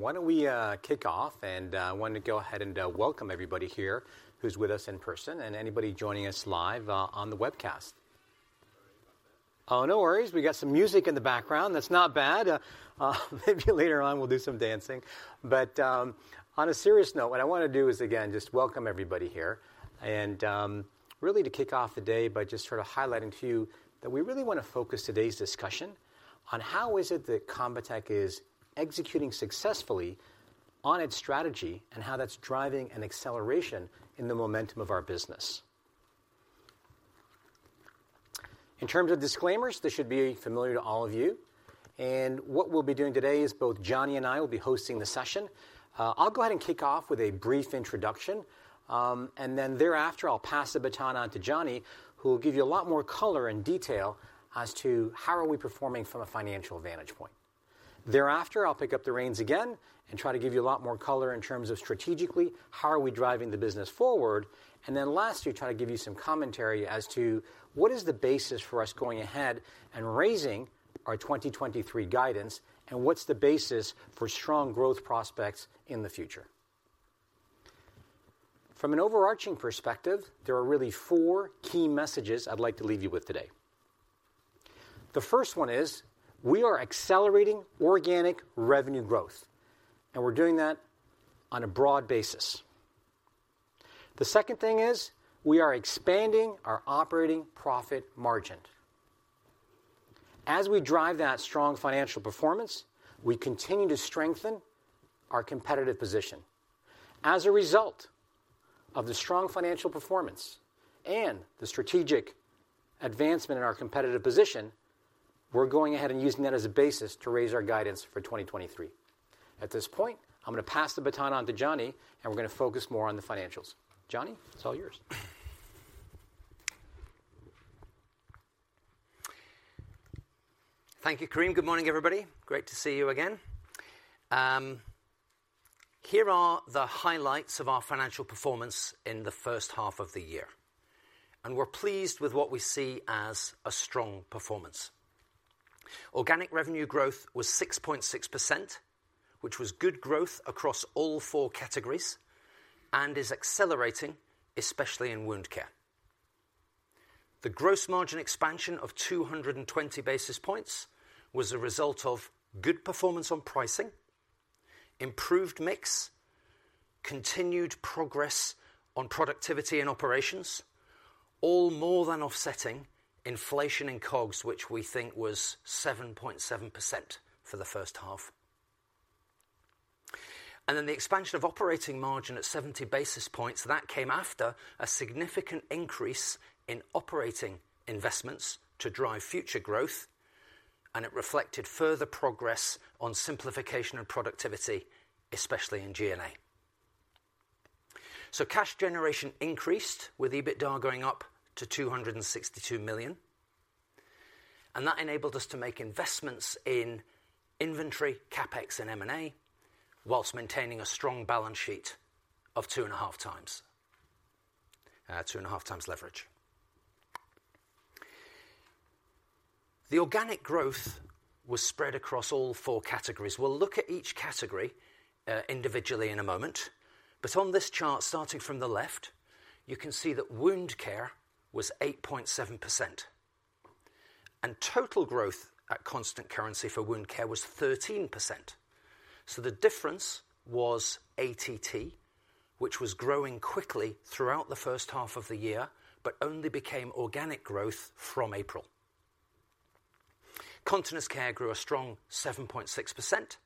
Okay, why don't we kick off? I wanted to go ahead and welcome everybody here who's with us in person and anybody joining us live on the webcast. Oh, no worries. We got some music in the background. That's not bad. Maybe later on we'll do some dancing. On a serious note, what I wanna do is, again, just welcome everybody here, and really to kick off the day by just sort of highlighting to you that we really wanna focus today's discussion on how is it that ConvaTec is executing successfully on its strategy, and how that's driving an acceleration in the momentum of our business. In terms of disclaimers, this should be familiar to all of you, and what we'll be doing today is both Johnny and I will be hosting the session. I'll go ahead and kick off with a brief introduction, and then thereafter, I'll pass the baton on to Johnny, who will give you a lot more color and detail as to how are we performing from a financial vantage point. Thereafter, I'll pick up the reins again and try to give you a lot more color in terms of strategically, how are we driving the business forward? Lastly, try to give you some commentary as to what is the basis for us going ahead and raising our 2023 guidance, and what's the basis for strong growth prospects in the future. From an overarching perspective, there are really four key messages I'd like to leave you with today. The first one is, we are accelerating organic revenue growth, and we're doing that on a broad basis. The second thing is, we are expanding our operating profit margin. As we drive that strong financial performance, we continue to strengthen our competitive position. As a result of the strong financial performance and the strategic advancement in our competitive position, we're going ahead and using that as a basis to raise our guidance for 2023. At this point, I'm gonna pass the baton on to Johnny, and we're gonna focus more on the financials. Johnny, it's all yours. Thank you, Kareem. Good morning, everybody. Great to see you again. Here are the highlights of our financial performance in the first half of the year, we're pleased with what we see as a strong performance. Organic revenue growth was 6.6%, which was good growth across all four categories and is accelerating, especially in wound care. The gross margin expansion of 220 basis points was a result of good performance on pricing, improved mix, continued progress on productivity and operations, all more than offsetting inflation in COGS, which we think was 7.7% for the first half. The expansion of operating margin at 70 basis points, that came after a significant increase in operating investments to drive future growth, and it reflected further progress on simplification and productivity, especially in G&A. Cash generation increased, with EBITDA going up to $262 million, and that enabled us to make investments in inventory, CapEx and M&A, whilst maintaining a strong balance sheet of 2.5x, 2.5x leverage. The organic growth was spread across all four categories. We'll look at each category, individually in a moment, but on this chart, starting from the left, you can see that wound care was 8.7%, and total growth at constant currency for wound care was 13%. The difference was ATT, which was growing quickly throughout the first half of the year, but only became organic growth from April. Continence care grew a strong 7.6%.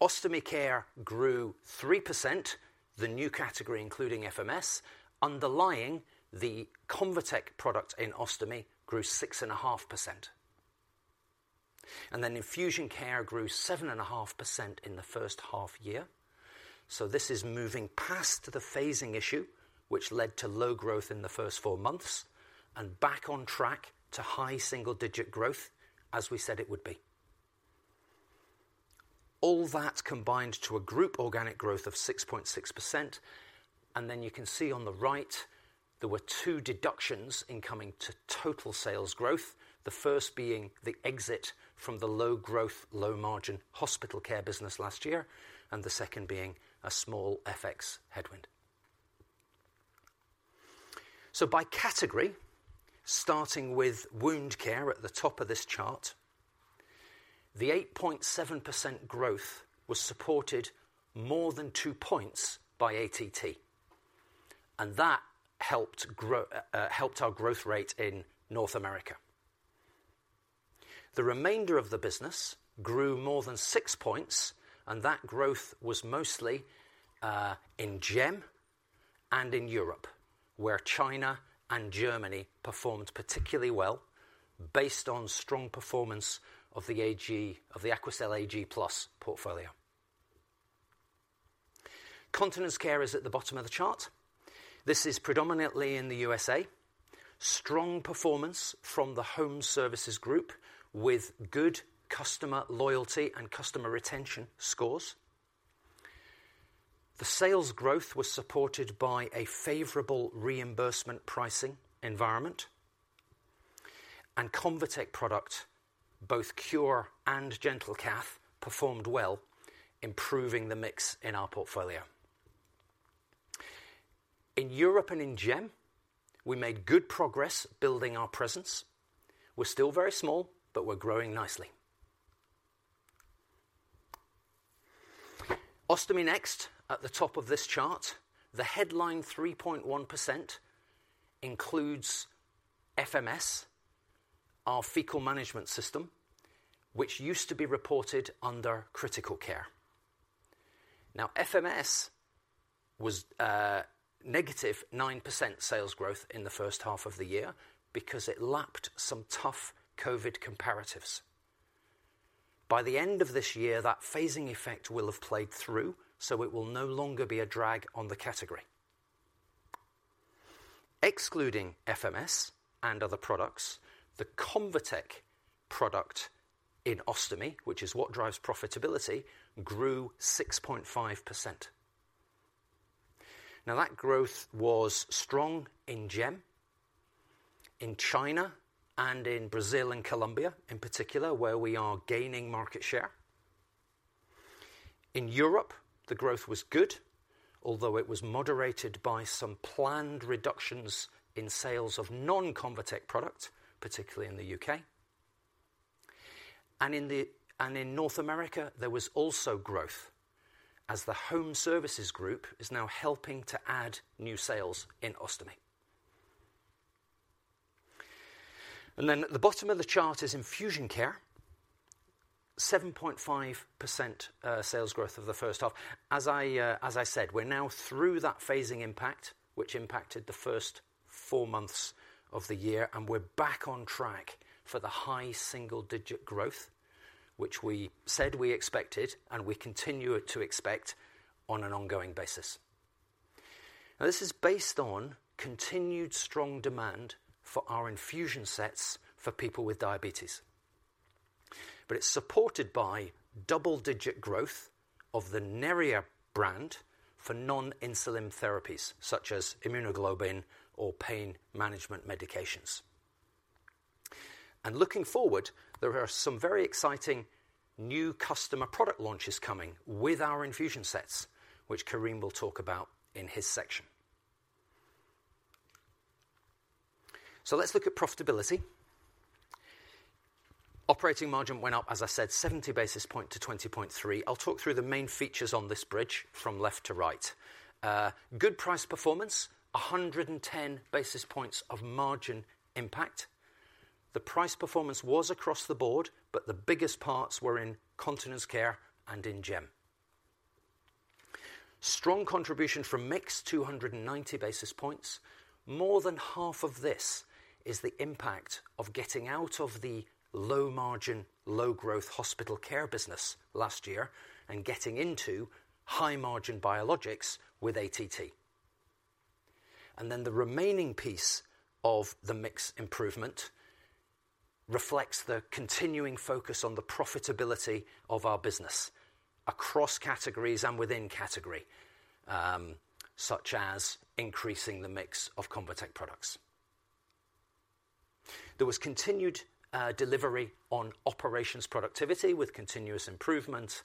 Ostomy care grew 3%, the new category, including FMS. Underlying, the ConvaTec product in ostomy grew 6.5%. Infusion care grew 7.5% in the first half year. This is moving past the phasing issue, which led to low growth in the first four months, and back on track to high single digit growth, as we said it would be. All that combined to a group organic growth of 6.6%, and then you can see on the right, there were two deductions in coming to total sales growth. The first being the exit from the low growth, low margin hospital care business last year, and the second being a small FX headwind. By category, starting with wound care at the top of this chart, the 8.7% growth was supported more than two points by ATT, and that helped grow, helped our growth rate in North America. The remainder of the business grew more than six points, and that growth was mostly in GEM and in Europe, where China and Germany performed particularly well based on strong performance of the Aquacel Ag+ portfolio. Continence care is at the bottom of the chart. This is predominantly in the USA. Strong performance from the Home Services Group, with good customer loyalty and customer retention scores. The sales growth was supported by a favorable reimbursement pricing environment, and ConvaTec product, both Cure and GentleCath, performed well, improving the mix in our portfolio. In Europe and in GEM, we made good progress building our presence. We're still very small, but we're growing nicely. Ostomy next, at the top of this chart. The headline 3.1% includes FMS, our fecal management system, which used to be reported under critical care. FMS was negative 9% sales growth in the first half of the year because it lapped some tough COVID comparatives. By the end of this year, that phasing effect will have played through, so it will no longer be a drag on the category. Excluding FMS and other products, the ConvaTec product in Ostomy, which is what drives profitability, grew 6.5%. That growth was strong in GEM, in China, and in Brazil and Colombia, in particular, where we are gaining market share. In Europe, the growth was good, although it was moderated by some planned reductions in sales of non-ConvaTec products, particularly in the UK. In North America, there was also growth, as the Home Services Group is now helping to add new sales in Ostomy. At the bottom of the chart is Infusion Care. 7.5% sales growth of the first half. As I said, we're now through that phasing impact, which impacted the first four months of the year, and we're back on track for the high single-digit growth, which we said we expected, and we continue to expect on an ongoing basis. This is based on continued strong demand for our infusion sets for people with diabetes. It's supported by double-digit growth of the Neria brand for non-insulin therapies, such as immunoglobulin or pain management medications. Looking forward, there are some very exciting new customer product launches coming with our infusion sets, which Karim will talk about in his section. Let's look at profitability. Operating margin went up, as I said, 70 basis points to 20.3%. I'll talk through the main features on this bridge from left to right. Good price performance, 110 basis points of margin impact. The price performance was across the board, but the biggest parts were in Continence Care and in GEM. Strong contribution from mix, 290 basis points. More than half of this is the impact of getting out of the low-margin, low-growth hospital care business last year and getting into high-margin biologics with ATT. The remaining piece of the mix improvement reflects the continuing focus on the profitability of our business across categories and within category, such as increasing the mix of ConvaTec products. There was continued delivery on operations productivity with continuous improvement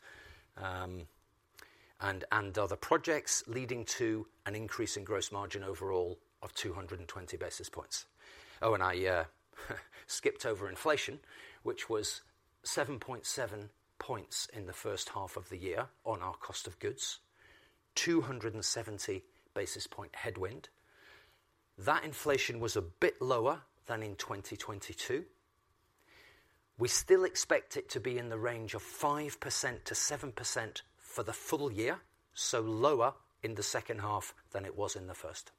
and other projects leading to an increase in gross margin overall of 220 basis points. Oh, I skipped over inflation, which was 7.7 points in the first half of the year on our cost of goods, 270 basis point headwind. That inflation was a bit lower than in 2022. We still expect it to be in the range of 5%-7% for the full year, so lower in the second half than it was in the first.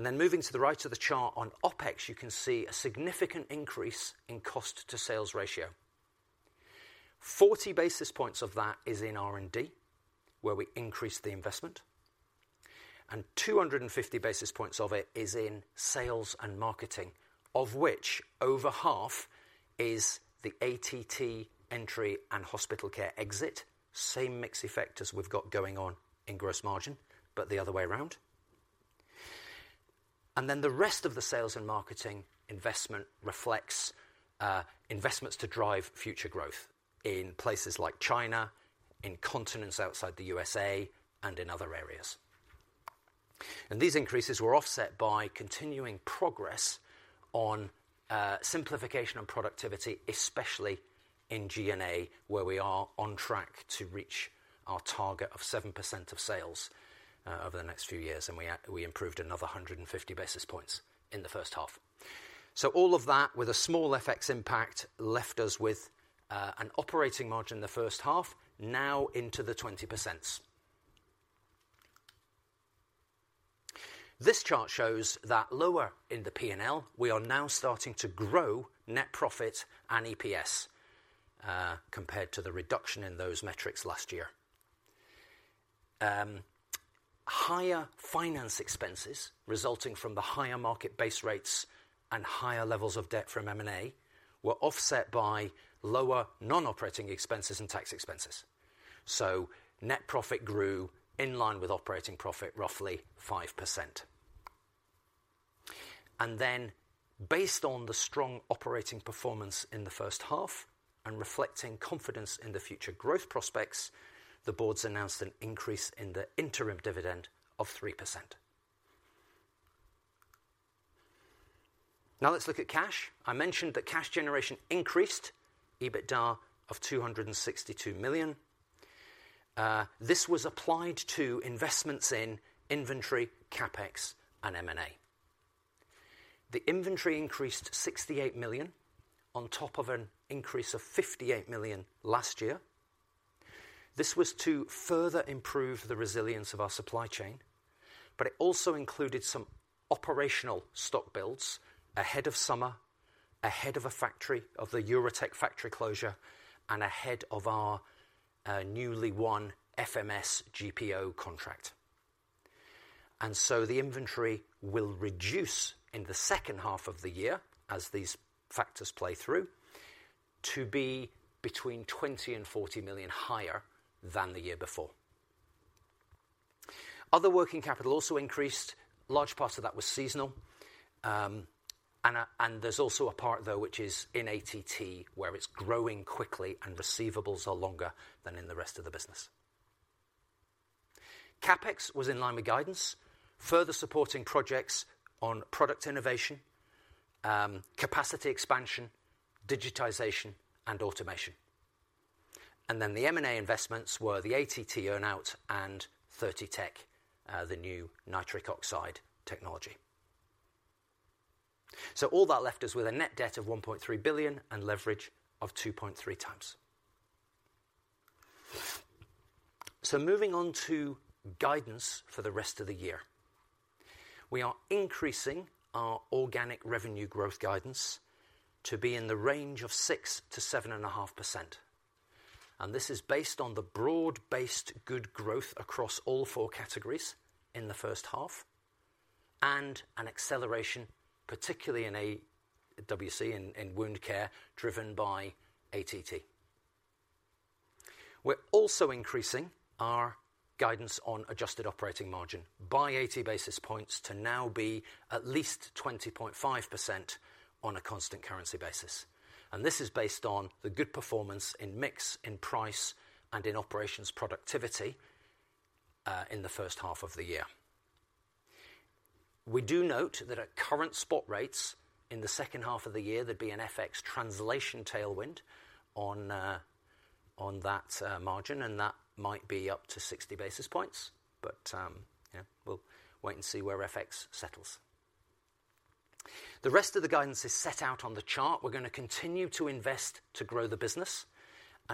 Moving to the right of the chart on OpEx, you can see a significant increase in cost to sales ratio. 40 basis points of that is in R&D, where we increased the investment, and 250 basis points of it is in sales and marketing, of which over half is the ATT entry and hospital care exit. Same mix effect as we've got going on in gross margin, but the other way around. The rest of the sales and marketing investment reflects investments to drive future growth in places like China, in continents outside the USA, and in other areas. These increases were offset by continuing progress on simplification and productivity, especially in G&A, where we are on track to reach our target of 7% of sales over the next few years. We improved another 150 basis points in the first half. All of that with a small FX impact, left us with an operating margin in the first half, now into the 20%. This chart shows that lower in the P&L, we are now starting to grow net profit and EPS compared to the reduction in those metrics last year. higher finance expenses resulting from the higher market base rates and higher levels of debt from M&A were offset by lower non-operating expenses and tax expenses. Net profit grew in line with operating profit, roughly 5%. Based on the strong operating performance in the first half and reflecting confidence in the future growth prospects, the boards announced an increase in the interim dividend of 3%. Now let's look at cash. I mentioned that cash generation increased, EBITDA of 262 million. This was applied to investments in inventory, CapEx, and M&A. The inventory increased 68 million on top of an increase of 58 million last year. This was to further improve the resilience of our supply chain. It also included some operational stock builds ahead of summer, ahead of a factory, of the EuroTec factory closure, and ahead of our newly won FMS GPO contract. The inventory will reduce in the second half of the year as these factors play through to be between $20 million and $40 million higher than the year before. Other working capital also increased. Large parts of that was seasonal, and there's also a part, though, which is in ATT, where it's growing quickly and receivables are longer than in the rest of the business. CapEx was in line with guidance, further supporting projects on product innovation, capacity expansion, digitization, and automation. The M&A investments were the ATT earn-out and ThirtyTec, the new nitric oxide technology. All that left us with a net debt of $1.3 billion and leverage of 2.3 times. Moving on to guidance for the rest of the year. We are increasing our organic revenue growth guidance to be in the range of 6%-7.5%, and this is based on the broad-based good growth across all four categories in the first half, and an acceleration, particularly in AWC, in wound care, driven by ATT. We're also increasing our guidance on adjusted operating margin by 80 basis points to now be at least 20.5% on a constant currency basis. This is based on the good performance in mix, in price, and in operations productivity in the first half of the year. We do note that at current spot rates in the second half of the year, there'd be an FX translation tailwind on that margin, that might be up to 60 basis points. Yeah, we'll wait and see where FX settles. The rest of the guidance is set out on the chart. We're going to continue to invest to grow the business,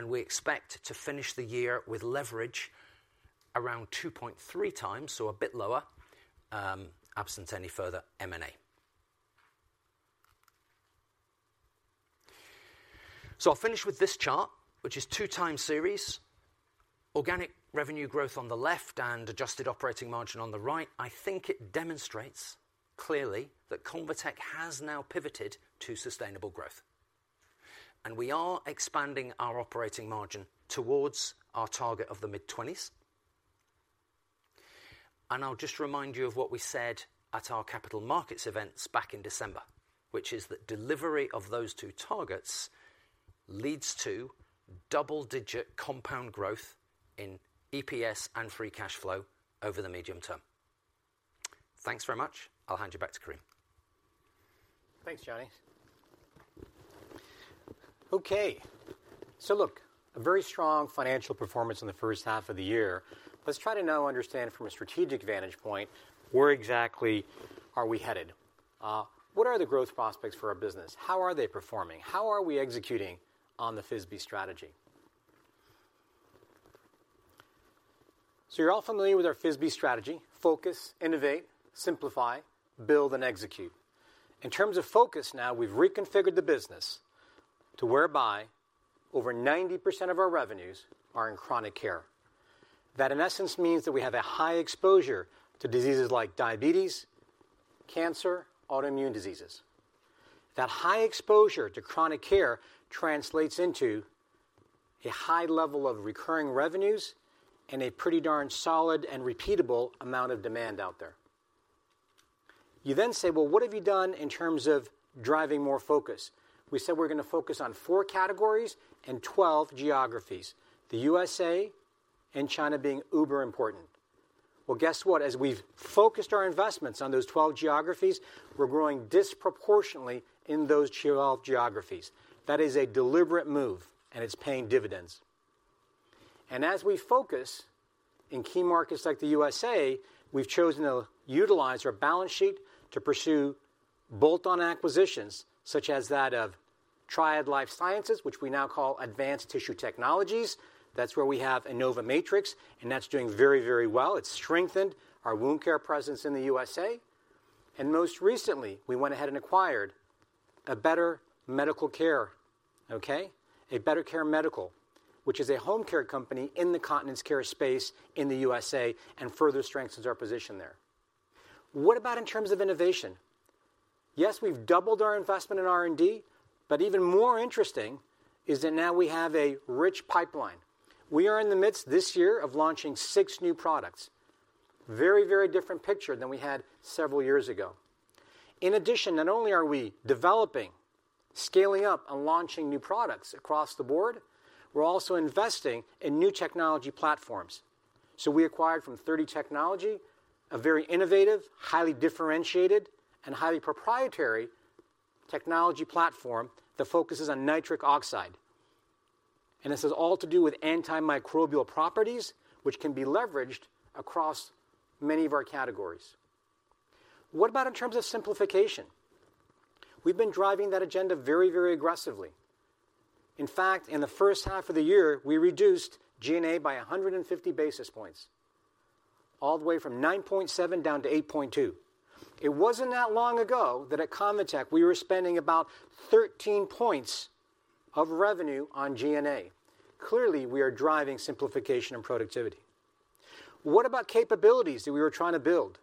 we expect to finish the year with leverage around 2.3 times, so a bit lower, absent any further M&A. I'll finish with this chart, which is two time series, organic revenue growth on the left and adjusted operating margin on the right. I think it demonstrates clearly that ConvaTec has now pivoted to sustainable growth, we are expanding our operating margin towards our target of the mid-twenties. I'll just remind you of what we said at our capital markets events back in December, which is that delivery of those two targets leads to double-digit compound growth in EPS and free cash flow over the medium term. Thanks very much. I'll hand you back to Karim. Thanks, Johnny. Look, a very strong financial performance in the first half of the year. Let's try to now understand from a strategic vantage point, where exactly are we headed? What are the growth prospects for our business? How are they performing? How are we executing on the FISB strategy? You're all familiar with our FISB strategy: focus, innovate, simplify, build, and execute. In terms of focus now, we've reconfigured the business to whereby over 90% of our revenues are in chronic care. That, in essence, means that we have a high exposure to diseases like diabetes, cancer, autoimmune diseases. That high exposure to chronic care translates into a high level of recurring revenues and a pretty darn solid and repeatable amount of demand out there. You say, Well, what have you done in terms of driving more focus? We said we're gonna focus on 4 categories and 12 geographies. The USA and China being uber important. Well, guess what? As we've focused our investments on those 12 geographies, we're growing disproportionately in those geographies. That is a deliberate move, it's paying dividends. As we focus in key markets like the USA, we've chosen to utilize our balance sheet to pursue bolt-on acquisitions, such as that of Triad Life Sciences, which we now call Advanced Tissue Technologies. That's where we have InnovaMatrix, and that's doing very, very well. It's strengthened our wound care presence in the USA. Most recently, we went ahead and acquired a better medical care, okay? A Better Care Medical, which is a home care company in the continence care space in the USA, and further strengthens our position there. What about in terms of innovation? Yes, we've doubled our investment in R&D, but even more interesting is that now we have a rich pipeline. We are in the midst, this year, of launching six new products. Very, very different picture than we had several years ago. In addition, not only are we developing, scaling up, and launching new products across the board, we're also investing in new technology platforms. We acquired from 30 Technology, a very innovative, highly differentiated, and highly proprietary technology platform that focuses on nitric oxide. This is all to do with antimicrobial properties, which can be leveraged across many of our categories. What about in terms of simplification? We've been driving that agenda very, very aggressively. In fact, in the first half of the year, we reduced G&A by 150 basis points, all the way from 9.7 down to 8.2. It wasn't that long ago that at ConvaTec, we were spending about 13 points of revenue on G&A. Clearly, we are driving simplification and productivity. What about capabilities that we were trying to build?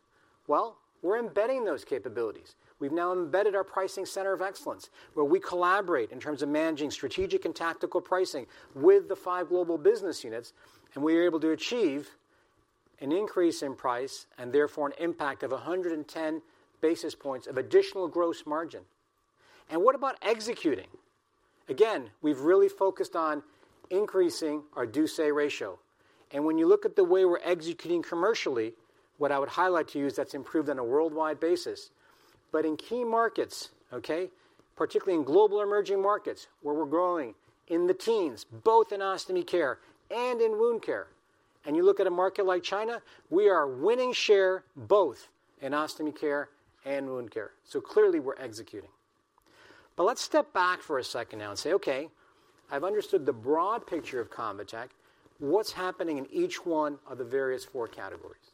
Well, we're embedding those capabilities. We've now embedded our pricing center of excellence, where we collaborate in terms of managing strategic and tactical pricing with the five global business units, and we are able to achieve an increase in price, and therefore an impact of 110 basis points of additional gross margin. What about executing? Again, we've really focused on increasing our do-say ratio. When you look at the way we're executing commercially, what I would highlight to you is that's improved on a worldwide basis. In key markets, okay, particularly in global emerging markets, where we're growing in the teens, both in ostomy care and in wound care, and you look at a market like China, we are winning share both in ostomy care and wound care. Clearly we're executing. Let's step back for a second now and say, Okay, I've understood the broad picture of ConvaTec. What's happening in each one of the various four categories?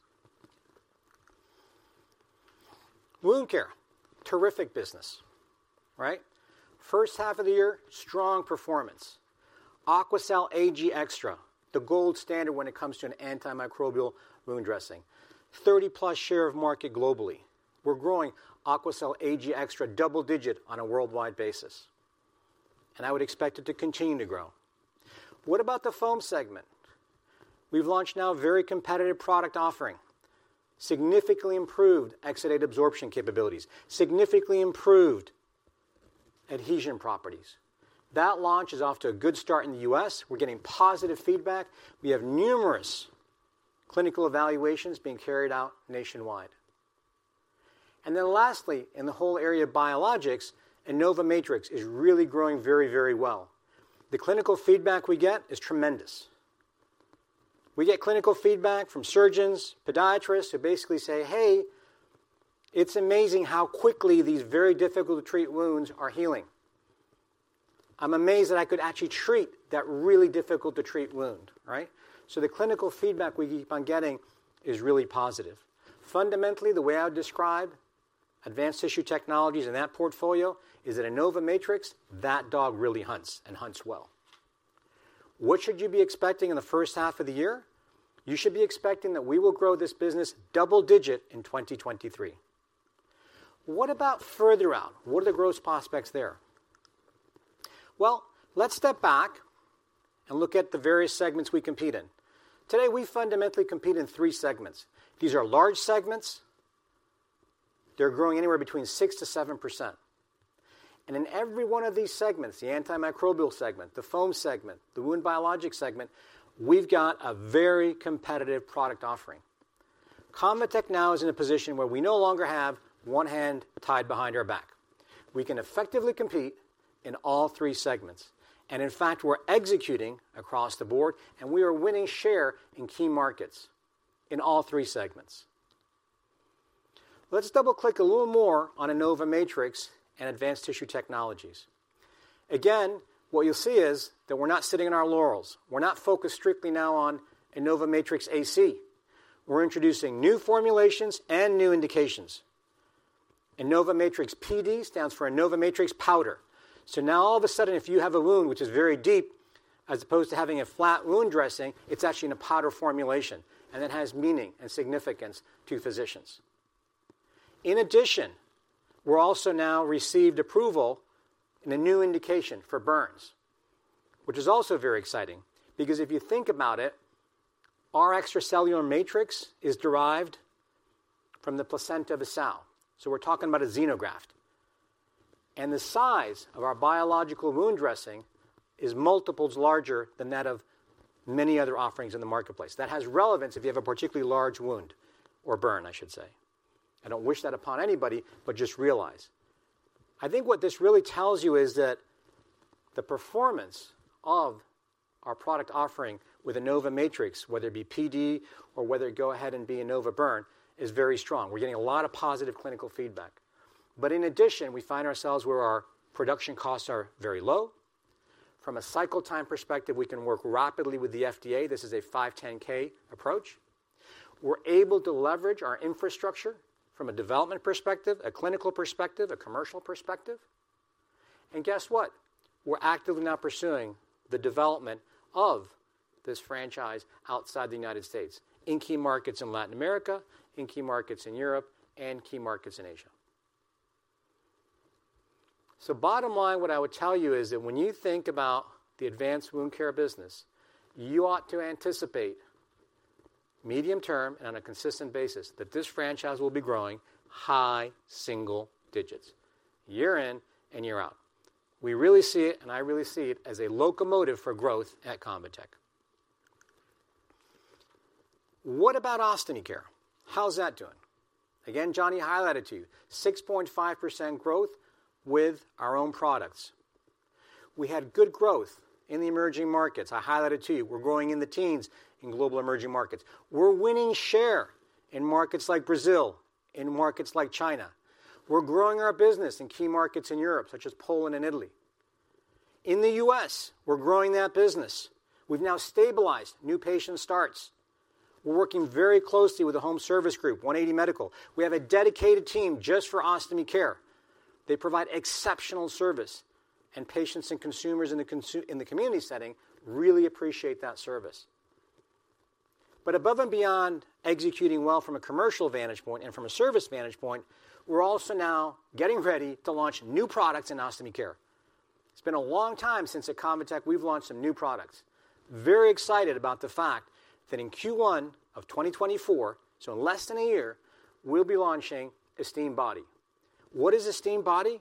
Wound care, terrific business, right? First half of the year, strong performance. Aquacel Ag+ Extra, the gold standard when it comes to an antimicrobial wound dressing. 30-plus share of market globally. We're growing Aquacel Ag+ Extra double-digit on a worldwide basis, and I would expect it to continue to grow. What about the foam segment? We've launched now a very competitive product offering, significantly improved exudate absorption capabilities, significantly improved adhesion properties. That launch is off to a good start in the U.S. We're getting positive feedback. We have numerous clinical evaluations being carried out nationwide. Then lastly, in the whole area of biologics, InnovaMatrix is really growing very, very well. The clinical feedback we get is tremendous. We get clinical feedback from surgeons, podiatrists, who basically say, Hey, it's amazing how quickly these very difficult-to-treat wounds are healing. I'm amazed that I could actually treat that really difficult-to-treat wound, right? The clinical feedback we keep on getting is really positive. Fundamentally, the way I would describe Advanced Tissue Technologies in that portfolio is that InnovaMatrix, that dog really hunts and hunts well. What should you be expecting in the first half of the year? You should be expecting that we will grow this business double-digit in 2023. What about further out? What are the growth prospects there? Well, let's step back and look at the various segments we compete in. Today, we fundamentally compete in three segments. These are large segments. They're growing anywhere between 6%-7%. In every one of these segments, the antimicrobial segment, the foam segment, the wound biologic segment, we've got a very competitive product offering. ConvaTec now is in a position where we no longer have one hand tied behind our back. We can effectively compete in all three segments, and in fact, we're executing across the board, and we are winning share in key markets in all three segments. Let's double-click a little more on InnovaMatrix and Advanced Tissue Technologies. Again, what you'll see is that we're not sitting on our laurels. We're not focused strictly now on InnovaMatrix AC. We're introducing new formulations and new indications. InnovaMatrix PD stands for InnovaMatrix Powder. Now all of a sudden, if you have a wound which is very deep, as opposed to having a flat wound dressing, it's actually in a powder formulation, and it has meaning and significance to physicians. In addition, we're also now received approval in a new indication for burns, which is also very exciting, because if you think about it, our extracellular matrix is derived from the placenta of a sow. We're talking about a xenograft. The size of our biological wound dressing is multiples larger than that of many other offerings in the marketplace. That has relevance if you have a particularly large wound or burn, I should say. I don't wish that upon anybody, but just realize. I think what this really tells you is that the performance of our product offering with InnovaMatrix, whether it be PD or whether it go ahead and be InnovaBurn, is very strong. We're getting a lot of positive clinical feedback. In addition, we find ourselves where our production costs are very low. From a cycle time perspective, we can work rapidly with the FDA. This is a 510(k) approach. We're able to leverage our infrastructure from a development perspective, a clinical perspective, a commercial perspective. Guess what? We're actively now pursuing the development of this franchise outside the United States, in key markets in Latin America, in key markets in Europe, and key markets in Asia. Bottom line, what I would tell you is that when you think about the advanced wound care business, you ought to anticipate medium term, and on a consistent basis, that this franchise will be growing high single digits, year in and year out. We really see it, and I really see it as a locomotive for growth at ConvaTec. What about Ostomy Care? How's that doing? Again, Johnny highlighted to you, 6.5% growth with our own products. We had good growth in the emerging markets. I highlighted to you, we're growing in the teens in global emerging markets. We're winning share in markets like Brazil, in markets like China. We're growing our business in key markets in Europe, such as Poland and Italy. In the U.S., we're growing that business. We've now stabilized new patient starts. We're working very closely with the Home Services Group, 180 Medical. We have a dedicated team just for Ostomy Care. They provide exceptional service, patients and consumers in the community setting really appreciate that service. Above and beyond executing well from a commercial vantage point and from a service vantage point, we're also now getting ready to launch new products in Ostomy Care. It's been a long time since at ConvaTec we've launched some new products. Very excited about the fact that in Q1 of 2024, so in less than a year, we'll be launching Esteem Body. What is Esteem Body?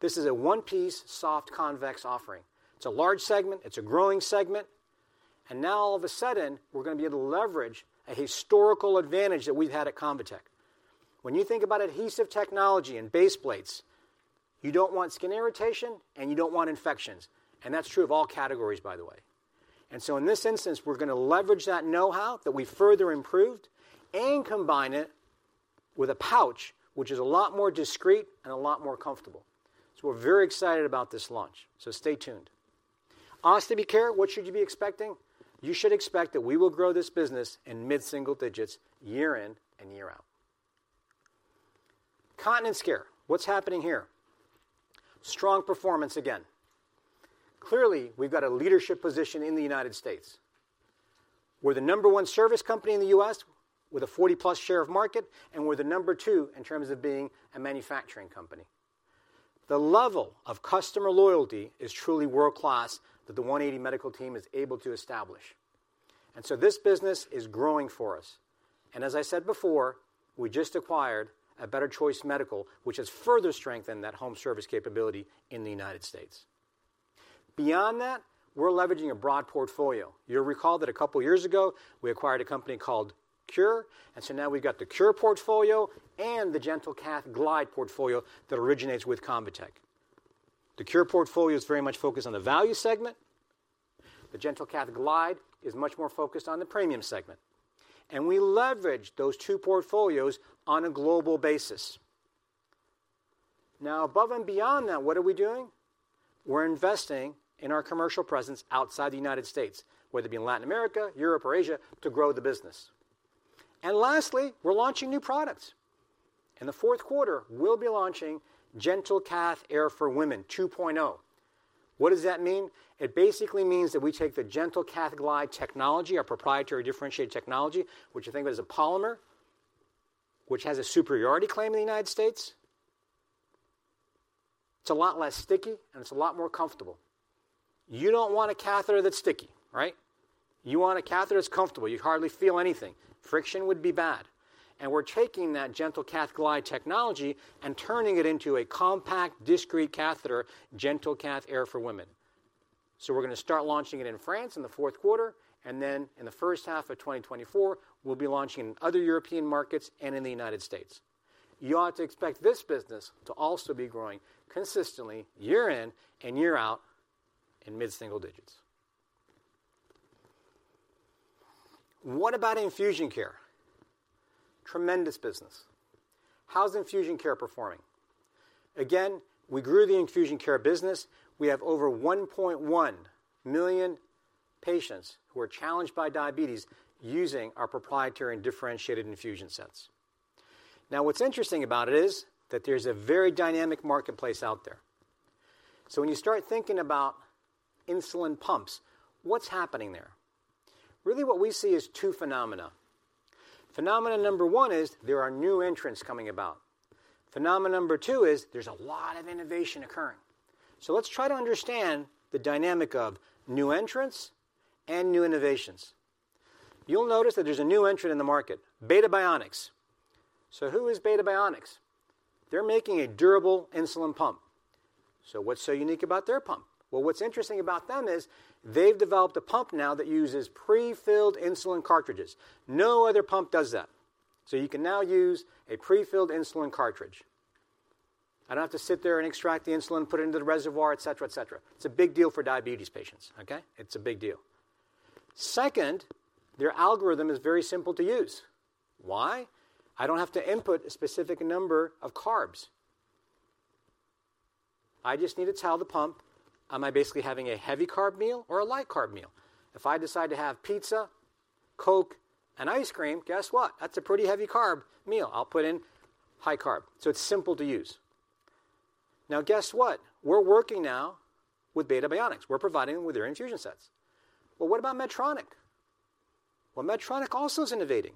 This is a one-piece soft, convex offering. It's a large segment, it's a growing segment, now all of a sudden, we're gonna be able to leverage a historical advantage that we've had at ConvaTec. When you think about adhesive technology and base plates, you don't want skin irritation and you don't want infections, and that's true of all categories, by the way. In this instance, we're gonna leverage that know-how that we further improved and combine it with a pouch, which is a lot more discreet and a lot more comfortable. We're very excited about this launch. Stay tuned. Ostomy Care, what should you be expecting? You should expect that we will grow this business in mid-single digits year in and year out. Continence Care, what's happening here? Strong performance again. Clearly, we've got a leadership position in the United States. We're the number one service company in the U.S. with a 40+ share of market, and we're the number two in terms of being a manufacturing company. The level of customer loyalty is truly world-class, that the 180 Medical team is able to establish. This business is growing for us, and as I said before, we just acquired A Better Choice Medical, which has further strengthened that home service capability in the United States. Beyond that, we're leveraging a broad portfolio. You'll recall that a couple of years ago, we acquired a company called Cure, now we've got the Cure portfolio and the GentleCath Glide portfolio that originates with ConvaTec. The Cure portfolio is very much focused on the value segment. The GentleCath Glide is much more focused on the premium segment. We leverage those two portfolios on a global basis. Now, above and beyond that, what are we doing? We're investing in our commercial presence outside the United States, whether it be in Latin America, Europe, or Asia, to grow the business. Lastly, we're launching new products. In the fourth quarter, we'll be launching GentleCath Air for Women 2.0. What does that mean? It basically means that we take the GentleCath Glide technology, our proprietary differentiated technology, which I think of as a polymer, which has a superiority claim in the United States. It's a lot less sticky and it's a lot more comfortable. You don't want a catheter that's sticky, right? You want a catheter that's comfortable. You hardly feel anything. Friction would be bad, and we're taking that GentleCath Glide technology and turning it into a compact, discreet catheter, GentleCath Air for Women. We're gonna start launching it in France in the fourth quarter, and then in the first half of 2024, we'll be launching in other European markets and in the United States. You ought to expect this business to also be growing consistently, year in and year out, in mid-single digits. What about Infusion Care? Tremendous business. How's Infusion Care performing? Again, we grew the Infusion Care business. We have over 1.1 million patients who are challenged by diabetes using our proprietary and differentiated infusion sets. Now, what's interesting about it is that there's a very dynamic marketplace out there. When you start thinking about insulin pumps, what's happening there? Really, what we see is two phenomena. Phenomenon number one is there are new entrants coming about. Phenomenon number two is there's a lot of innovation occurring. Let's try to understand the dynamic of new entrants and new innovations. You'll notice that there's a new entrant in the market, Beta Bionics. Who is Beta Bionics? They're making a durable insulin pump. What's so unique about their pump? Well, what's interesting about them is they've developed a pump now that uses prefilled insulin cartridges. No other pump does that. You can now use a prefilled insulin cartridge. I don't have to sit there and extract the insulin, put it into the reservoir, et cetera, et cetera. It's a big deal for diabetes patients, okay? It's a big deal. Second, their algorithm is very simple to use. Why? I don't have to input a specific number of carbs. I just need to tell the pump, am I basically having a heavy carb meal or a light carb meal? If I decide to have pizza, Coke, and ice cream, guess what? That's a pretty heavy carb meal. I'll put in high carb. It's simple to use. Guess what? We're working now with Beta Bionics. We're providing them with their infusion sets. What about Medtronic? Medtronic also is innovating.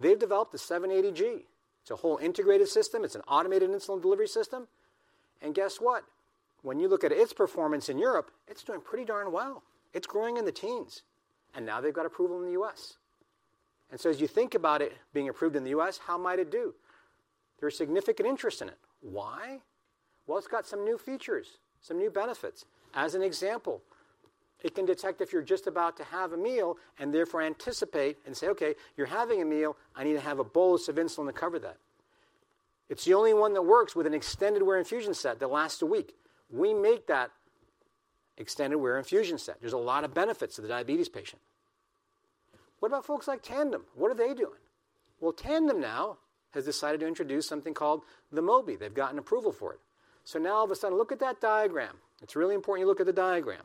They've developed the 780G. It's a whole integrated system, it's an automated insulin delivery system. Guess what? When you look at its performance in Europe, it's doing pretty darn well. It's growing in the teens, and now they've got approval in the U.S. As you think about it being approved in the U.S., how might it do? There's significant interest in it. Why? It's got some new features, some new benefits. As an example, it can detect if you're just about to have a meal, and therefore anticipate and say, Okay, you're having a meal, I need to have a bolus of insulin to cover that. It's the only one that works with an extended-wear infusion set that lasts a week. We make that extended-wear infusion set. There's a lot of benefits to the diabetes patient. What about folks like Tandem? What are they doing? Well, Tandem now has decided to introduce something called the Mobi. They've gotten approval for it. Now, all of a sudden, look at that diagram. It's really important you look at the diagram.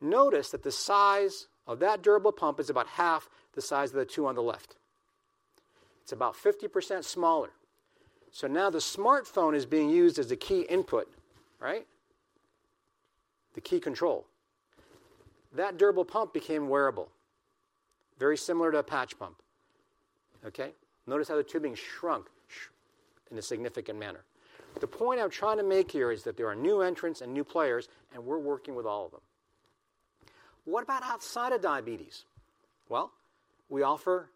Notice that the size of that durable pump is about half the size of the two on the left. It's about 50% smaller. Now the smartphone is being used as the key input, right? The key control. That durable pump became wearable, very similar to a patch pump, okay? Notice how the tubing shrunk in a significant manner. The point I'm trying to make here is that there are new entrants and new players, we're working with all of them. What about outside of diabetes? Well, we offer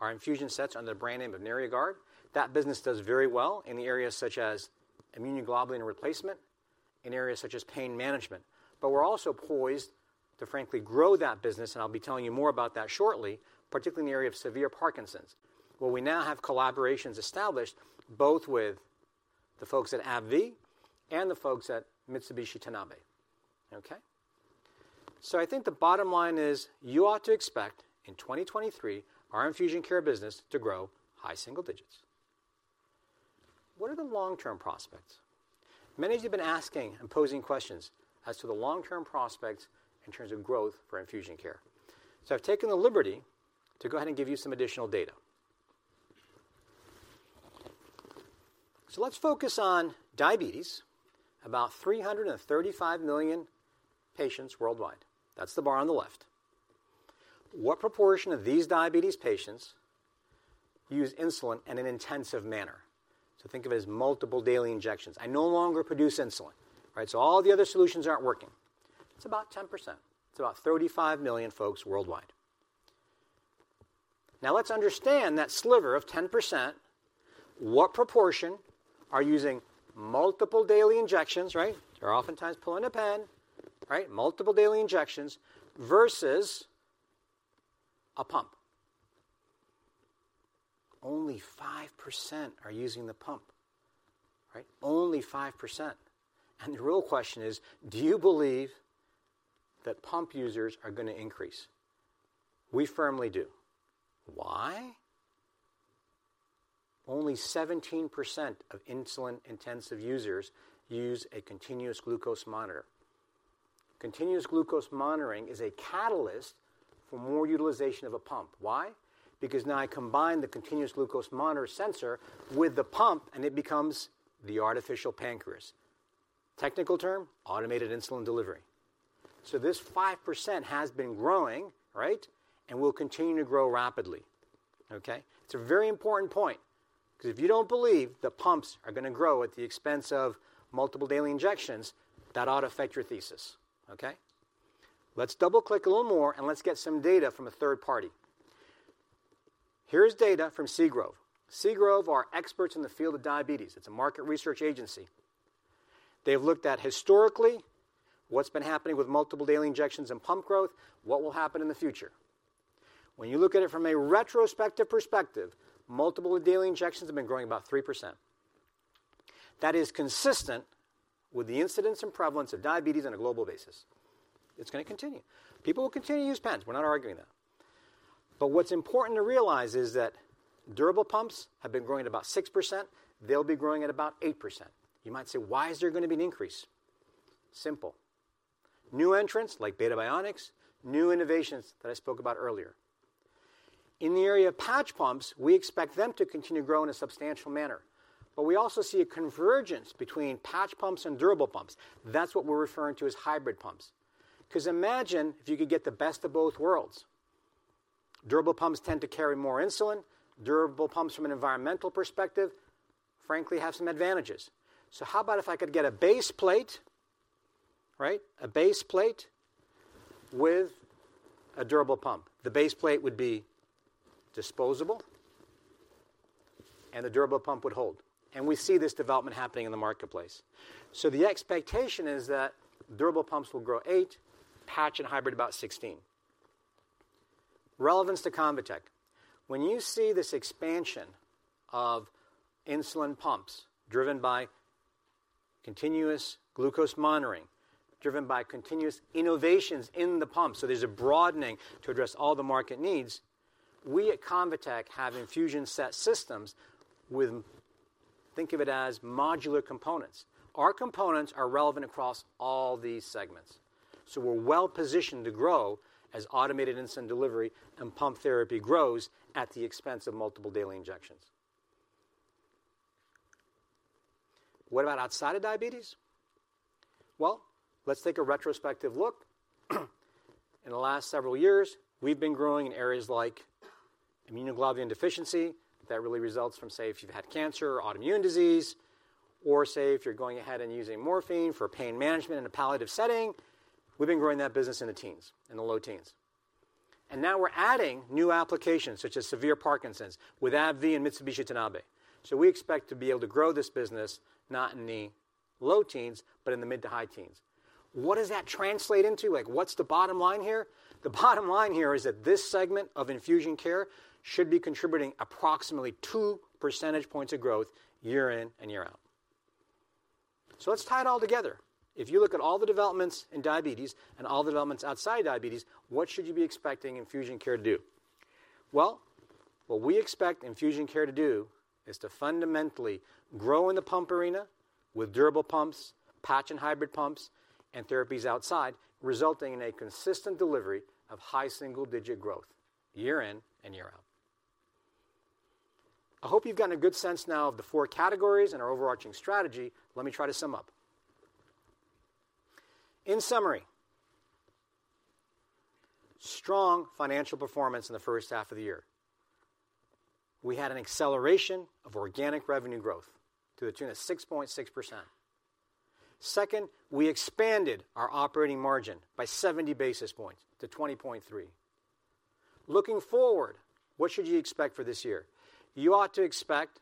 our infusion sets under the brand name of Neria Guard. That business does very well in the areas such as immunoglobulin replacement, in areas such as pain management, we're also poised to frankly grow that business, I'll be telling you more about that shortly, particularly in the area of severe Parkinson's, where we now have collaborations established both with the folks at AbbVie and the folks at Mitsubishi Tanabe, okay? I think the bottom line is, you ought to expect, in 2023, our infusion care business to grow high single digits. What are the long-term prospects? Many of you have been asking and posing questions as to the long-term prospects in terms of growth for infusion care. I've taken the liberty to go ahead and give you some additional data. Let's focus on diabetes, about 335 million patients worldwide. That's the bar on the left. What proportion of these diabetes patients use insulin in an intensive manner? Think of it as multiple daily injections. I no longer produce insulin, right? All the other solutions aren't working. It's about 10%. It's about 35 million folks worldwide. Now, let's understand that sliver of 10%, what proportion are using multiple daily injections, right? They're oftentimes pulling a pen, right? Multiple daily injections versus a pump. Only 5% are using the pump, right? Only 5%. The real question is, do you believe that pump users are gonna increase? We firmly do. Why? Only 17% of insulin-intensive users use a continuous glucose monitor. Continuous glucose monitoring is a catalyst for more utilization of a pump. Why? Because now I combine the continuous glucose monitor sensor with the pump, and it becomes the artificial pancreas. Technical term, automated insulin delivery. This 5% has been growing, right, and will continue to grow rapidly, okay? It's a very important point, 'cause if you don't believe the pumps are gonna grow at the expense of multiple daily injections, that ought to affect your thesis, okay? Let's double-click a little more, and let's get some data from a third party. Here's data from Seagrove. Seagrove are experts in the field of diabetes. It's a market research agency. They've looked at, historically, what's been happening with multiple daily injections and pump growth, what will happen in the future. When you look at it from a retrospective perspective, multiple daily injections have been growing about 3%. That is consistent with the incidence and prevalence of diabetes on a global basis. It's gonna continue. People will continue to use pens, we're not arguing that. What's important to realize is that durable pumps have been growing at about 6%. They'll be growing at about 8%. You might say, Why is there gonna be an increase? Simple. New entrants, like Beta Bionics, new innovations that I spoke about earlier. In the area of patch pumps, we expect them to continue growing in a substantial manner. We also see a convergence between patch pumps and durable pumps. That's what we're referring to as hybrid pumps. Because imagine if you could get the best of both worlds. Durable pumps tend to carry more insulin. Durable pumps, from an environmental perspective, frankly, have some advantages. How about if I could get a base plate, right, a base plate with a durable pump? The base plate would be disposable, and the durable pump would hold. We see this development happening in the marketplace. The expectation is that durable pumps will grow 8, patch and hybrid, about 16. Relevance to ConvaTec. When you see this expansion of insulin pumps driven by continuous glucose monitoring, driven by continuous innovations in the pump, there's a broadening to address all the market needs, we at ConvaTec have infusion set systems with think of it as modular components. Our components are relevant across all these segments, so we're well positioned to grow as automated insulin delivery and pump therapy grows at the expense of multiple daily injections. What about outside of diabetes? Well, let's take a retrospective look. In the last several years, we've been growing in areas like immunoglobulin deficiency. That really results from, say, if you've had cancer or autoimmune disease, or say, if you're going ahead and using morphine for pain management in a palliative setting. We've been growing that business in the teens, in the low teens. Now we're adding new applications, such as severe Parkinson's, with AbbVie and Mitsubishi Tanabe. We expect to be able to grow this business not in the low teens, but in the mid to high teens. What does that translate into? Like, what's the bottom line here? The bottom line here is that this segment of infusion care should be contributing approximately two percentage points of growth year in and year out. Let's tie it all together. If you look at all the developments in diabetes and all the developments outside diabetes, what should you be expecting infusion care to do? Well, what we expect infusion care to do is to fundamentally grow in the pump arena with durable pumps, patch and hybrid pumps, and therapies outside, resulting in a consistent delivery of high single-digit growth, year in and year out. I hope you've gotten a good sense now of the 4 categories and our overarching strategy. Let me try to sum up. In summary, strong financial performance in the first half of the year. We had an acceleration of organic revenue growth to the tune of 6.6%. Second, we expanded our operating margin by 70 basis points to 20.3. Looking forward, what should you expect for this year? You ought to expect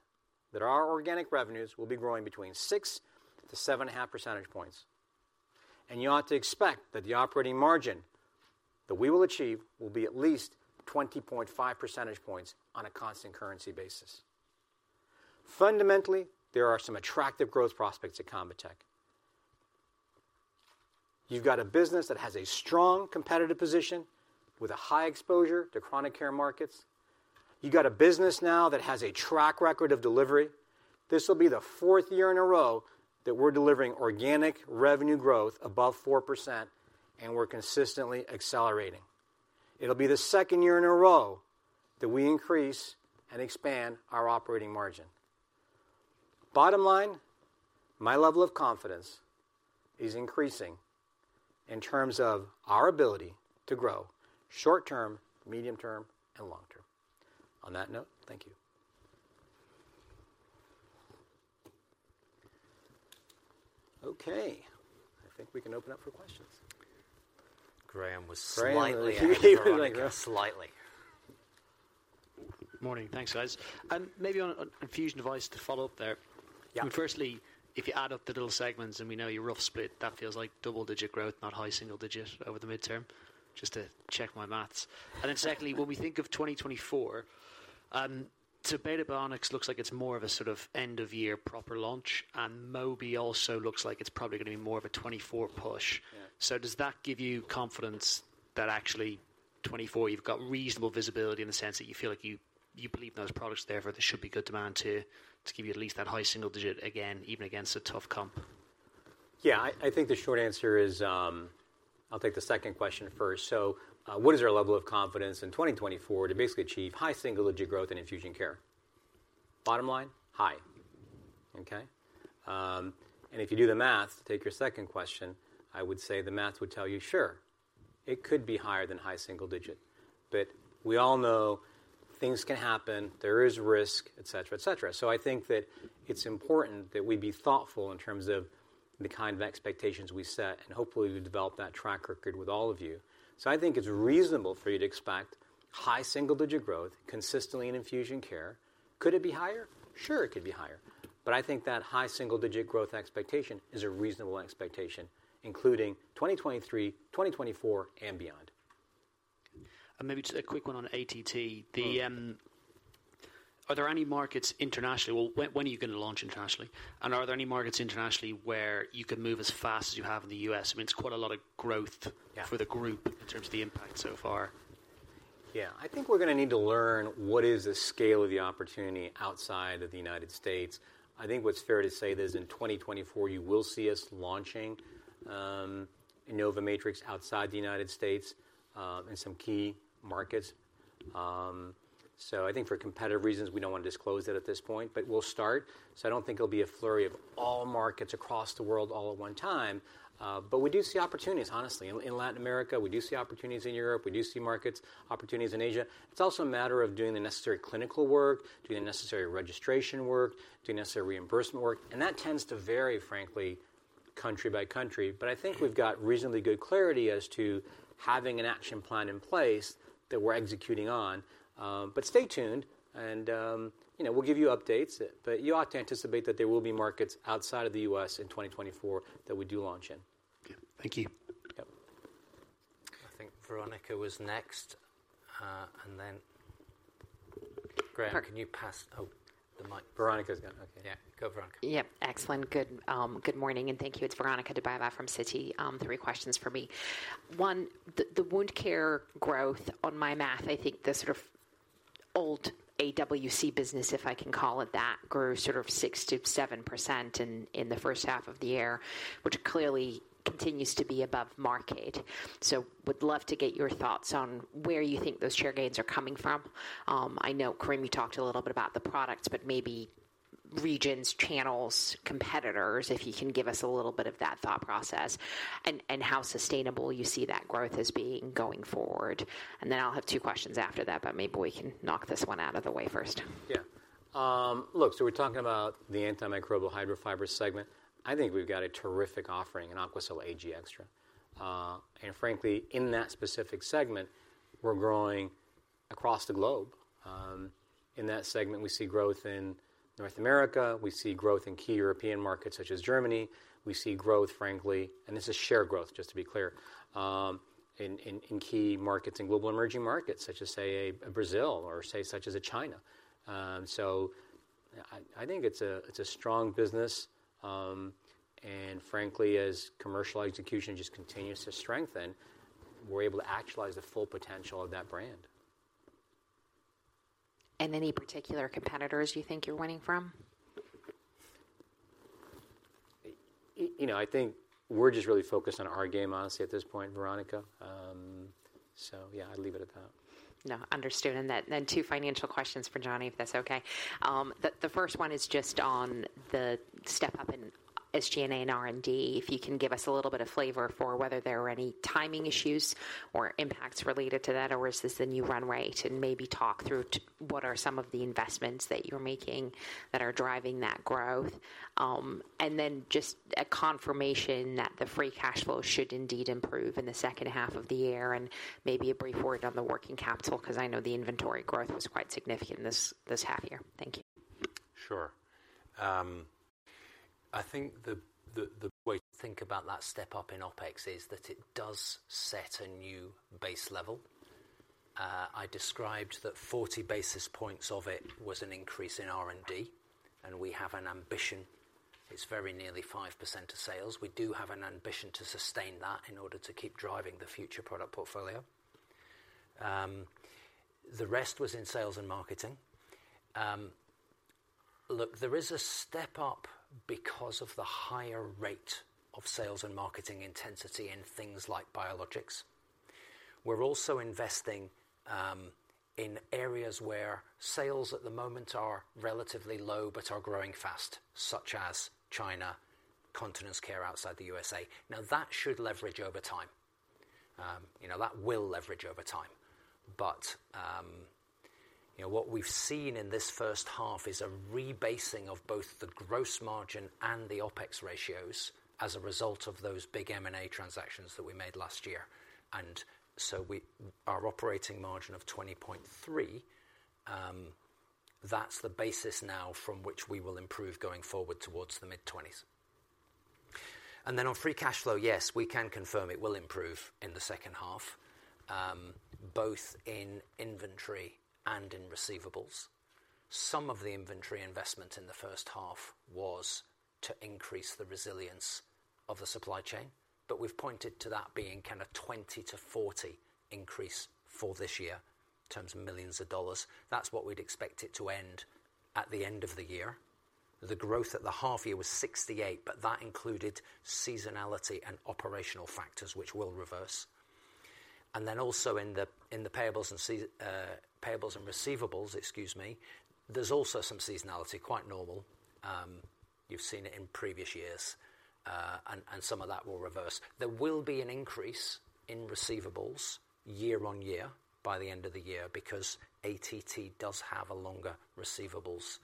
that our organic revenues will be growing between 6%-7.5 percentage points, and you ought to expect that the operating margin that we will achieve will be at least 20.5 percentage points on a constant currency basis. Fundamentally, there are some attractive growth prospects at ConvaTec. You've got a business that has a strong competitive position with a high exposure to chronic care markets. You've got a business now that has a track record of delivery. This will be the fourth year in a row that we're delivering organic revenue growth above 4%, and we're consistently accelerating. It'll be the second year in a row that we increase and expand our operating margin. Bottom line, my level of confidence is increasing in terms of our ability to grow short term, medium term, and long term. On that note, thank you. Okay, I think we can open up for questions. Graham was. Graham. Like, slightly. Morning. Thanks, guys. maybe on, on infusion device to follow up there. Yeah. Firstly, if you add up the little segments and we know your rough split, that feels like double-digit growth, not high single-digit over the midterm. Just to check my math. Secondly, when we think of 2024, so Beta Bionics looks like it's more of a sort of end-of-year proper launch, and Mobi also looks like it's probably gonna be more of a 2024 push. Yeah. Does that give you confidence that actually 2024, you've got reasonable visibility in the sense that you feel like you, you believe in those products, therefore, there should be good demand to, to give you at least that high single digit again, even against a tough comp? I think the short answer is, I'll take the second question first. What is our level of confidence in 2024 to basically achieve high single-digit growth in infusion care? Bottom line, high. Okay? If you do the math, take your second question, I would say the math would tell you, sure, it could be higher than high single-digit, we all know things can happen, there is risk, etcetera, etcetera. I think that it's important that we be thoughtful in terms of the kind of expectations we set, and hopefully we develop that track record with all of you. I think it's reasonable for you to expect high single-digit growth consistently in infusion care. Could it be higher? Sure, it could be higher, but I think that high single-digit growth expectation is a reasonable expectation, including 2023, 2024, and beyond. Maybe just a quick one on ATT. Are there any markets internationally? Well, when, when are you going to launch internationally? Are there any markets internationally where you can move as fast as you have in the U.S.? I mean, it's quite a lot of growth. Yeah for the group in terms of the impact so far. Yeah. I think we're gonna need to learn what is the scale of the opportunity outside of the United States. I think what's fair to say is in 2024, you will see us launching InnovaMatrix outside the United States in some key markets. I don't think for competitive reasons, we don't want to disclose that at this point, but we'll start. I don't think it'll be a flurry of all markets across the world all at one time. We do see opportunities, honestly. In, in Latin America, we do see opportunities in Europe, we do see markets, opportunities in Asia. It's also a matter of doing the necessary clinical work, doing the necessary registration work, doing the necessary reimbursement work, that tends to vary, frankly, country by country. I think we've got reasonably good clarity as to having an action plan in place that we're executing on. Stay tuned, and, you know, we'll give you updates. You ought to anticipate that there will be markets outside of the U.S. in 2024 that we do launch in. Okay. Thank you. Yep. I think Veronica was next, and then, Graham, can you pass, oh, the mic? Veronica's going. Okay. Yeah, go Veronica. Yep, excellent. Good morning, and thank you. It's Veronika Dubajova from Citi. Three questions for me. One, the wound care growth, on my math, I think the sort of old AWC business, if I can call it that, grew sort of 6%-7% in the first half of the year, which clearly continues to be above market. Would love to get your thoughts on where you think those share gains are coming from. I know, Karim, you talked a little bit about the products, but maybe regions, channels, competitors, if you can give us a little bit of that thought process and how sustainable you see that growth as being going forward. Then I'll have two questions after that, but maybe we can knock this one out of the way first. Yeah. Look, we're talking about the antimicrobial Hydrofiber segment. I think we've got a terrific offering in Aquacel Ag+ Extra. Frankly, in that specific segment, we're growing across the globe. In that segment, we see growth in North America, we see growth in key European markets such as Germany. We see growth, frankly, this is share growth, just to be clear, in key markets and global emerging markets such as, say, Brazil or say, such as China. I think it's a, it's a strong business, frankly, as commercial execution just continues to strengthen, we're able to actualize the full potential of that brand. Any particular competitors you think you're winning from? You know, I think we're just really focused on our game, honestly, at this point, Veronica. Yeah, I'd leave it at that. No, understood. Then two financial questions for Johnny, if that's okay. The 1st one is just on the step up in SG&A and R&D. If you can give us a little bit of flavor for whether there are any timing issues or impacts related to that, or is this the new runway? To maybe talk through what are some of the investments that you're making that are driving that growth. Then just a confirmation that the free cash flow should indeed improve in the 2nd half of the year, and maybe a brief word on the working capital, 'cause I know the inventory growth was quite significant this half year. Thank you. Sure. I think the, the, the way to think about that step up in OpEx is that it does set a new base level. I described that 40 basis points of it was an increase in R&D, and we have an ambition. It's very nearly 5% of sales. We do have an ambition to sustain that in order to keep driving the future product portfolio. The rest was in sales and marketing. Look, there is a step up because of the higher rate of sales and marketing intensity in things like biologics. We're also investing in areas where sales at the moment are relatively low but are growing fast, such as China, continence care outside the USA. Now, that should leverage over time. You know, that will leverage over time. You know, what we've seen in this first half is a rebasing of both the gross margin and the OpEx ratios as a result of those big M&A transactions that we made last year. Our operating margin of 20.3, that's the basis now from which we will improve going forward towards the mid-20s. On free cash flow, yes, we can confirm it will improve in the second half, both in inventory and in receivables. Some of the inventory investment in the first half was to increase the resilience of the supply chain, but we've pointed to that being kind of $20 million-$40 million increase for this year. That's what we'd expect it to end at the end of the year. The growth at the half year was 68, that included seasonality and operational factors, which will reverse. Also in the, in the payables and payables and receivables, excuse me, there's also some seasonality, quite normal. You've seen it in previous years, and some of that will reverse. There will be an increase in receivables year-on-year by the end of the year because ATT does have a longer receivables,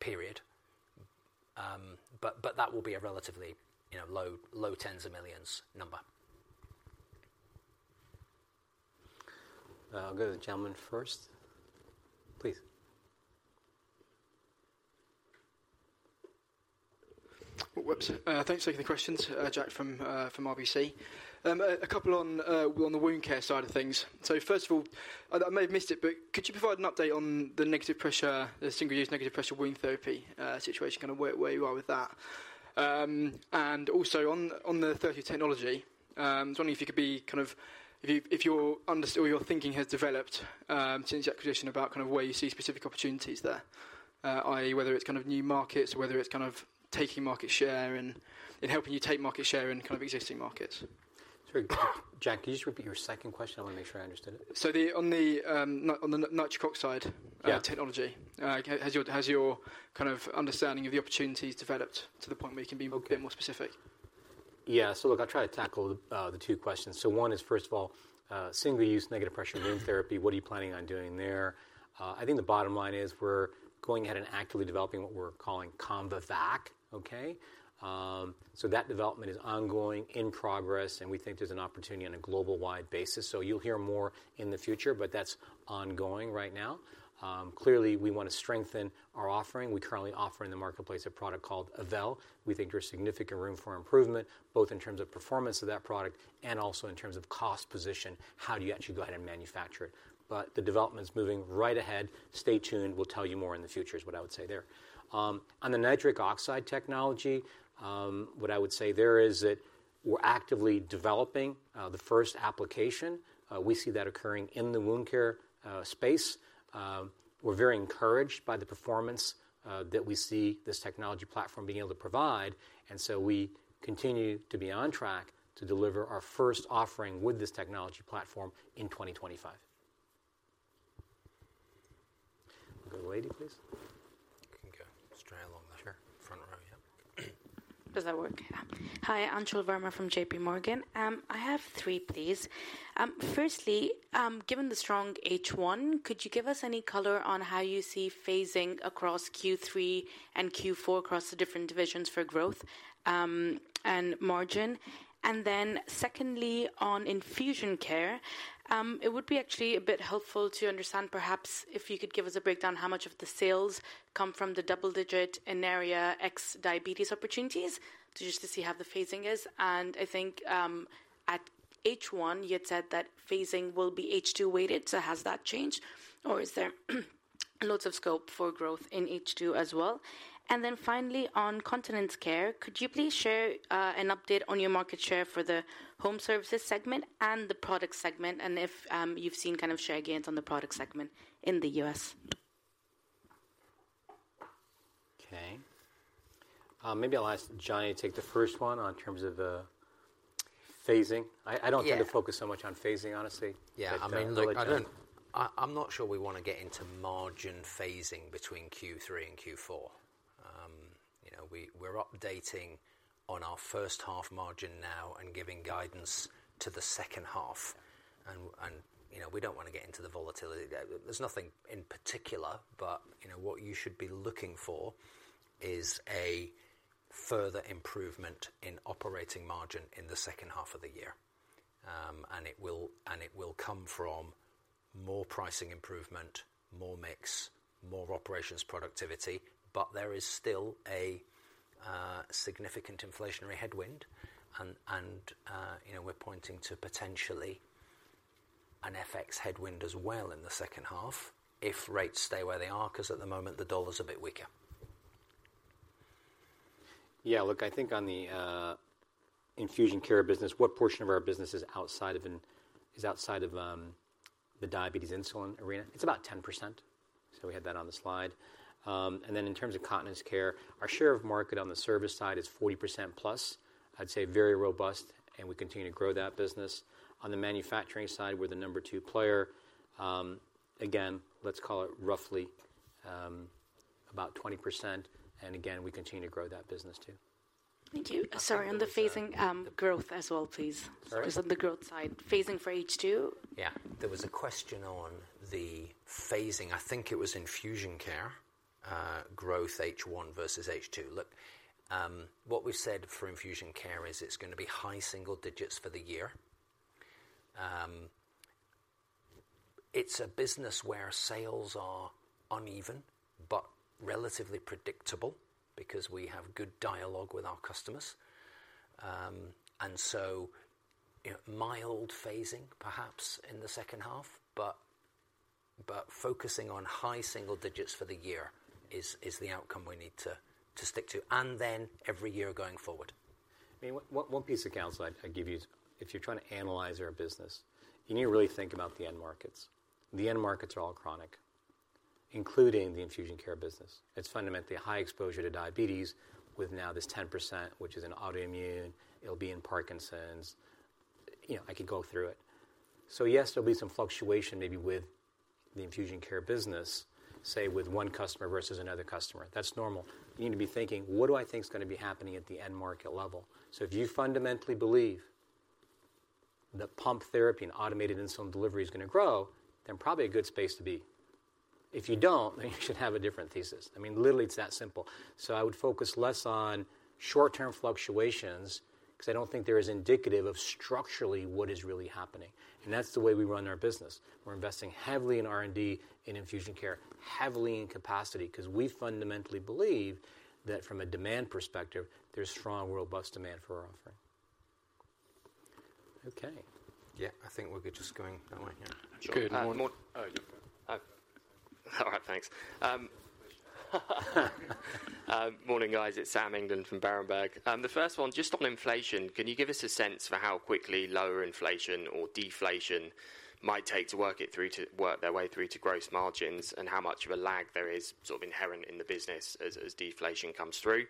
period. That will be a relatively, you know, GBP low, low tens of millions number. I'll go to the gentleman first, please. Whoops, thanks for taking the questions. Jack from RBC. A couple on the wound care side of things. First of all, I may have missed it, but could you provide an update on the negative pressure, the single-use negative pressure wound therapy situation, kind of where you are with that? Also on the 30 Technology, just wondering if your thinking has developed since the acquisition about kind of where you see specific opportunities there. I.e., whether it's kind of new markets, whether it's kind of taking market share and helping you take market share in kind of existing markets. Sorry, Jack, can you just repeat your second question? I want to make sure I understood it. On the Nitrocox side, technology, has your, has your kind of understanding of the opportunities developed to the point where you can be a bit more specific? Yeah, look, I'll try to tackle the two questions. One is, first of all, single-use negative pressure wound therapy, what are you planning on doing there? I think the bottom line is we're going ahead and actively developing what we're calling ComvaVac, okay? That development is ongoing, in progress, and we think there's an opportunity on a global-wide basis. You'll hear more in the future, but that's ongoing right now. Clearly, we wanna strengthen our offering. We currently offer in the marketplace a product called Avelle. We think there's significant room for improvement, both in terms of performance of that product and also in terms of cost position, how do you actually go out and manufacture it? But the development's moving right ahead. Stay tuned, we'll tell you more in the future, is what I would say there. On the nitric oxide technology, what I would say there is that we're actively developing the first application. We see that occurring in the wound care space. We're very encouraged by the performance that we see this technology platform being able to provide, and so we continue to be on track to deliver our first offering with this technology platform in 2025. The lady, please. You can go. Just right along there. Sure. Front row, yeah. Does that work? Hi, Anchal Verma from JPMorgan. I have three, please. Firstly, given the strong H1, could you give us any color on how you see phasing across Q3 and Q4, across the different divisions for growth, and margin? Secondly, on InfusionCare, it would be actually a bit helpful to understand, perhaps, if you could give us a breakdown, how much of the sales come from the double-digit Neria ex-diabetes opportunities, just to see how the phasing is. I think, at H1, you'd said that phasing will be H2 weighted, so has that changed, or is there lots of scope for growth in H2 as well? Then finally, on Continence Care, could you please share an update on your market share for the Home Services segment and the product segment, and if you've seen kind of share gains on the product segment in the U.S.? Okay. Maybe I'll ask Johnny to take the first one on terms of phasing. Yeah. I, I don't tend to focus so much on phasing, honestly. Yeah, I mean, look, I, I'm not sure we wanna get into margin phasing between Q3 and Q4. You know, we're updating on our first half margin now and giving guidance to the second half, and, you know, we don't wanna get into the volatility there. There's nothing in particular, but, you know, what you should be looking for is a further improvement in operating margin in the second half of the year. It will, and it will come from more pricing improvement, more mix, more operations productivity. There is still a significant inflationary headwind, and, and, you know, we're pointing to potentially an FX headwind as well in the second half, if rates stay where they are, 'cause at the moment, the dollar's a bit weaker. Yeah, look, I think on the InfusionCare business, what portion of our business is outside of the diabetes insulin arena? It's about 10%, so we had that on the slide. Then in terms of Continence Care, our share of market on the service side is 40% plus. I'd say very robust, and we continue to grow that business. On the manufacturing side, we're the number two player. Again, let's call it roughly about 20%, and again, we continue to grow that business, too. Thank you. Sorry, on the phasing, growth as well, please. Sorry? Just on the growth side, phasing for H2. Yeah. There was a question on the phasing. I think it was InfusionCare, growth H1 versus H2. Look, what we've said for InfusionCare is it's gonna be high single digits for the year. It's a business where sales are uneven, but relatively predictable because we have good dialogue with our customers. You know, mild phasing, perhaps, in the second half, but, but focusing on high single digits for the year is, is the outcome we need to, to stick to, and then every year going forward. I mean, one, one piece of counsel I'd, I'd give you is, if you're trying to analyze our business, you need to really think about the end markets. The end markets are all chronic, including the InfusionCare business. It's fundamentally a high exposure to diabetes with now this 10%, which is in autoimmune. It'll be in Parkinson's. You know, I could go through it. So yes, there'll be some fluctuation maybe with the InfusionCare business, say, with one customer versus another customer. That's normal. You need to be thinking: What do I think is gonna be happening at the end market level? So if you fundamentally believe that pump therapy and automated insulin delivery is gonna grow, then probably a good space to be. If you don't, then you should have a different thesis. I mean, literally, it's that simple. I would focus less on short-term fluctuations, because I don't think they are as indicative of structurally what is really happening. That's the way we run our business. We're investing heavily in R&D, in InfusionCare, heavily in capacity, because we fundamentally believe that from a demand perspective, there's strong, robust demand for our offering. Okay. Yeah, I think we'll get just going that way here. Good morning. All right, thanks. Morning, guys. It's Sam England from Berenberg. The first one, just on inflation, can you give us a sense for how quickly lower inflation or deflation might take to work their way through to gross margins? How much of a lag there is, sort of, inherent in the business as, as deflation comes through?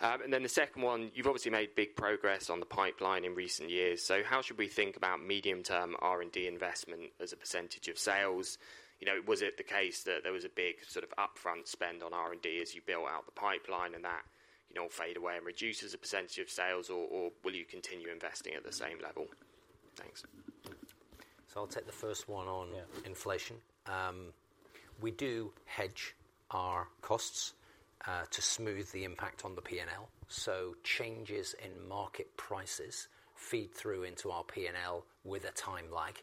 The second one, you've obviously made big progress on the pipeline in recent years, so how should we think about medium-term R&D investment as a percentage of sales? You know, was it the case that there was a big sort of upfront spend on R&D as you built out the pipeline, and that, you know, will fade away and reduce as a percentage of sales, or, or will you continue investing at the same level? Thanks. I'll take the first one on-. Yeah inflation. We do hedge our costs to smooth the impact on the P&L. Changes in market prices feed through into our P&L with a time lag.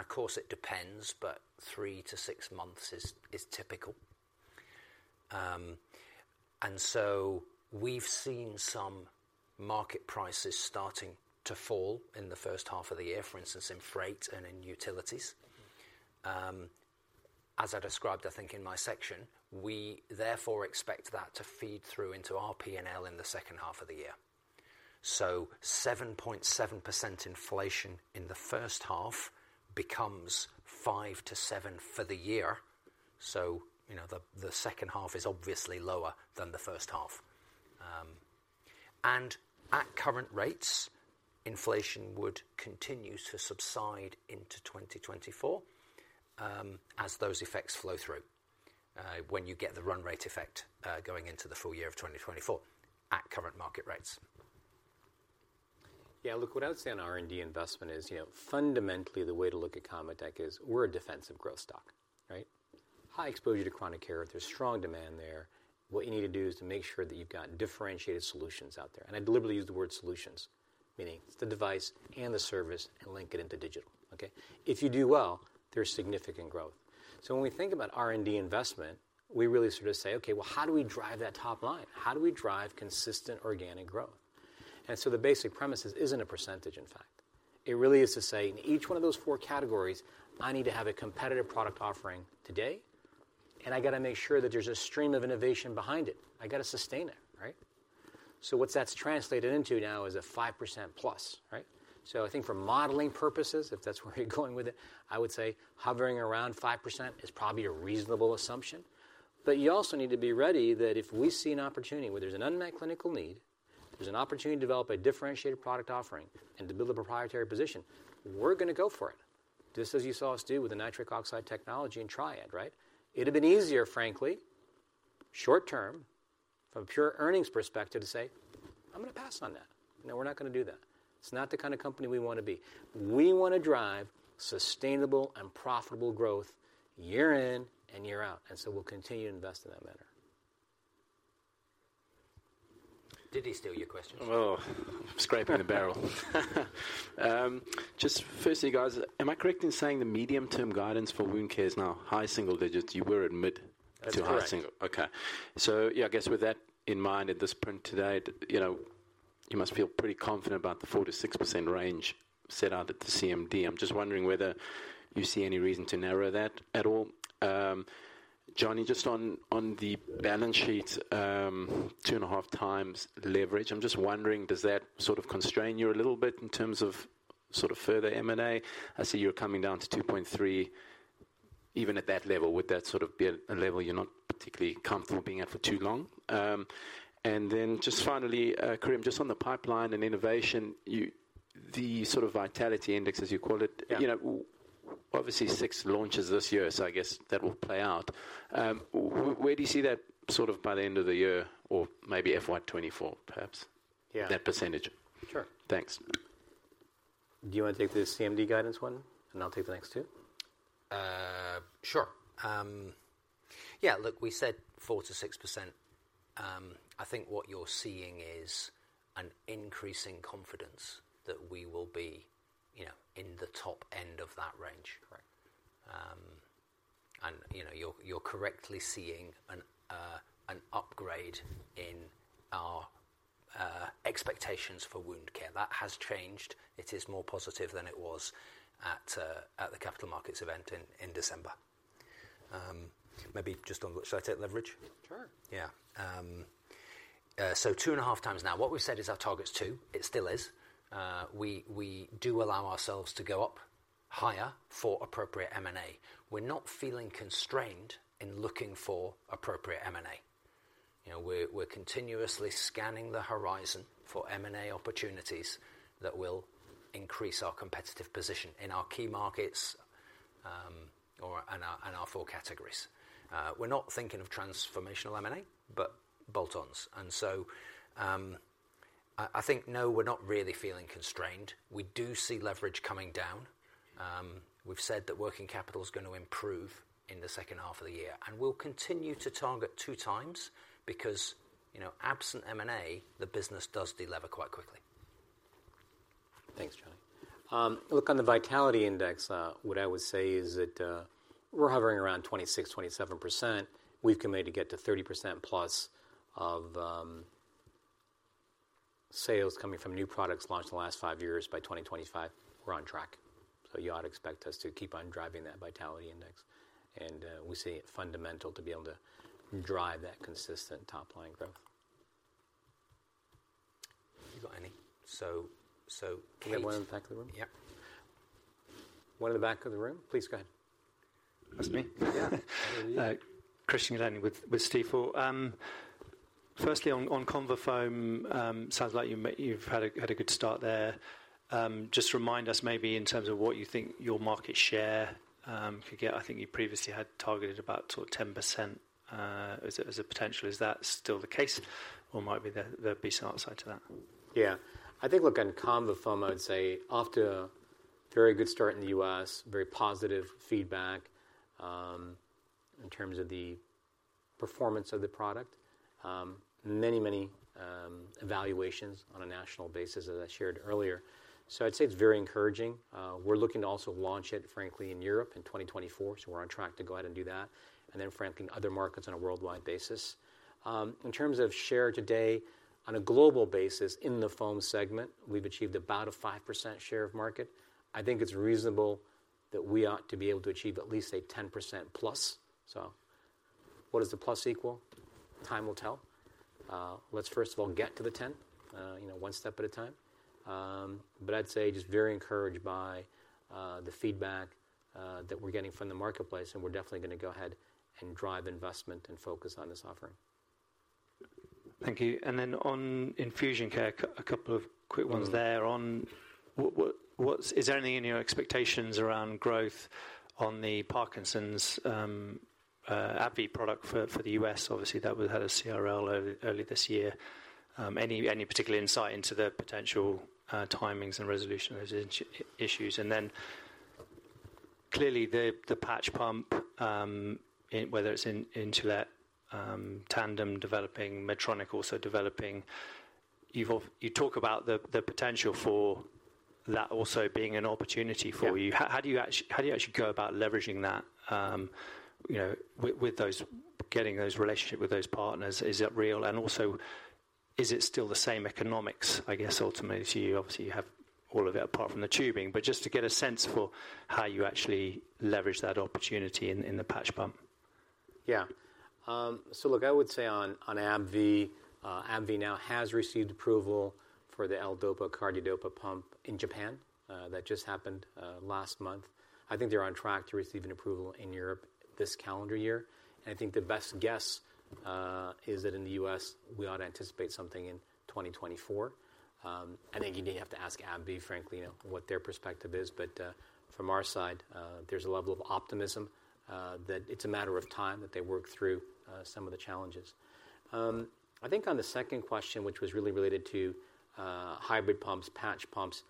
Of course, it depends, but three to six months is typical. We've seen some market prices starting to fall in the first half of the year, for instance, in freight and in utilities. As I described, I think, in my section, we therefore expect that to feed through into our P&L in the second half of the year. 7.7% inflation in the first half becomes 5%-7% for the year. You know, the second half is obviously lower than the first half. At current rates, inflation would continue to subside into 2024, as those effects flow through, when you get the run rate effect, going into the full year of 2024 at current market rates. Yeah, look, what I would say on R&D investment is, you know, fundamentally, the way to look at ConvaTec is we're a defensive growth stock, right? High exposure to chronic care. There's strong demand there. What you need to do is to make sure that you've got differentiated solutions out there. I deliberately use the word solutions, meaning the device and the service, and link it into digital, okay? If you do well, there's significant growth. When we think about R&D investment, we really sort of say: Okay, well, how do we drive that top line? How do we drive consistent organic growth? The basic premise is, isn't a percentage, in fact. It really is to say, in each one of those four categories, I need to have a competitive product offering today, and I got to make sure that there's a stream of innovation behind it. I got to sustain it, right? What that's translated into now is a 5% plus, right? I think for modeling purposes, if that's where you're going with it, I would say hovering around 5% is probably a reasonable assumption. You also need to be ready, that if we see an opportunity where there's an unmet clinical need, there's an opportunity to develop a differentiated product offering and to build a proprietary position, we're gonna go for it. Just as you saw us do with the nitric oxide technology in Triad, right? It would have been easier, frankly, short term, from a pure earnings perspective, to say, I'm going to pass on that. No, we're not going to do that. It's not the kind of company we want to be. We want to drive sustainable and profitable growth year in and year out, and so we'll continue to invest in that manner. Did he steal your question? Oh, scraping the barrel. Just firstly, guys, am I correct in saying the medium-term guidance for wound care is now high single digits? You were at mid-. That's correct. To high single. Okay. Yeah, I guess with that in mind, at this point today, you know, you must feel pretty confident about the 4%-6% range set out at the CMD. I'm just wondering whether you see any reason to narrow that at all. Johnny, just on, on the balance sheet, 2.5x leverage. I'm just wondering, does that sort of constrain you a little bit in terms of sort of further M&A? I see you're coming down to 2.3. Even at that level, would that sort of be a level you're not particularly comfortable being at for too long? Just finally, Karim, just on the pipeline and innovation, you, the sort of Vitality Index, as you call it. Yeah You know, obviously, six launches this year, so I guess that will play out. Where do you see that, sort of, by the end of the year or maybe FY 2024, perhaps? Yeah. That percentage. Sure. Thanks. Do you want to take the CMD guidance one, and I'll take the next two? Sure. Yeah, look, we said 4%-6%. I think what you're seeing is an increasing confidence that we will be, you know, in the top end of that range. Correct. You know, you're, you're correctly seeing an upgrade in our expectations for wound care. That has changed. It is more positive than it was at the capital markets event in December. Maybe just on the, should I take leverage? Sure. Yeah. 2.5x now. What we've said is our target's two. It still is. We, we do allow ourselves to go up higher for appropriate M&A. We're not feeling constrained in looking for appropriate M&A. You know, we're, we're continuously scanning the horizon for M&A opportunities that will increase our competitive position in our key markets, or, and our, and our 4 categories. We're not thinking of transformational M&A, but bolt-ons. I, I think, no, we're not really feeling constrained. We do see leverage coming down. We've said that working capital is going to improve in the second half of the year, and we'll continue to target 2x because, you know, absent M&A, the business does delever quite quickly. Thanks, Johnny. Look, on the Vitality Index, what I would say is that we're hovering around 26%-27%. We've committed to get to 30%+ of sales coming from new products launched in the last five years. By 2025, we're on track. You ought to expect us to keep on driving that Vitality Index. We see it fundamental to be able to drive that consistent top-line growth. You got any? We have one in the back of the room. Yeah. One in the back of the room. Please go ahead. That's me. Yeah. Christian Glennie with, with Stifel. Firstly, on, on ConvaFoam, sounds like you've had a good start there. Just remind us maybe in terms of what you think your market share could get. I think you previously had targeted about sort of 10% as a potential. Is that still the case, or might be there, there be some upside to that? Yeah. I think, look, on ConvaFoam, I would say, off to a very good start in the U.S. Very positive feedback in terms of the performance of the product. Many, many evaluations on a national basis, as I shared earlier. I'd say it's very encouraging. We're looking to also launch it, frankly, in Europe in 2024. We're on track to go out and do that, and then frankly, in other markets on a worldwide basis. In terms of share today, on a global basis in the foam segment, we've achieved about a 5% share of market. I think it's reasonable that we ought to be able to achieve at least a 10% plus. What does the plus equal? Time will tell. Let's first of all, get to the 10, you know, one step at a time. I'd say just very encouraged by the feedback that we're getting from the marketplace, and we're definitely gonna go ahead and drive investment and focus on this offering. Thank you, then on infusion care, a couple of quick ones there. Mm-hmm. On what, what's, Is there anything in your expectations around growth on the Parkinson's, AbbVie product for the U.S.? Obviously, that would had a CRL early, early this year. Any, any particular insight into the potential, timings and resolution of those issues? Then clearly, the patch pump, in whether it's in, Insulet, Tandem developing, Medtronic also developing, you've you talk about the potential for that also being an opportunity for you. Yeah. How do you actually go about leveraging that, you know, with those getting those relationships with those partners? Is that real, and also, is it still the same economics, I guess, ultimately? Obviously, you have all of it apart from the tubing, but just to get a sense for how you actually leverage that opportunity in, in the patch pump. Yeah. Look, I would say on, on AbbVie, AbbVie now has received approval for the L-DOPA carbidopa pump in Japan. That just happened last month. I think they're on track to receive an approval in Europe this calendar year. I think the best guess is that in the U.S., we ought to anticipate something in 2024. I think you'd have to ask AbbVie, frankly, you know, what their perspective is. From our side, there's a level of optimism that it's a matter of time that they work through some of the challenges. I think on the second question, which was really related to hybrid pumps, patch pumps,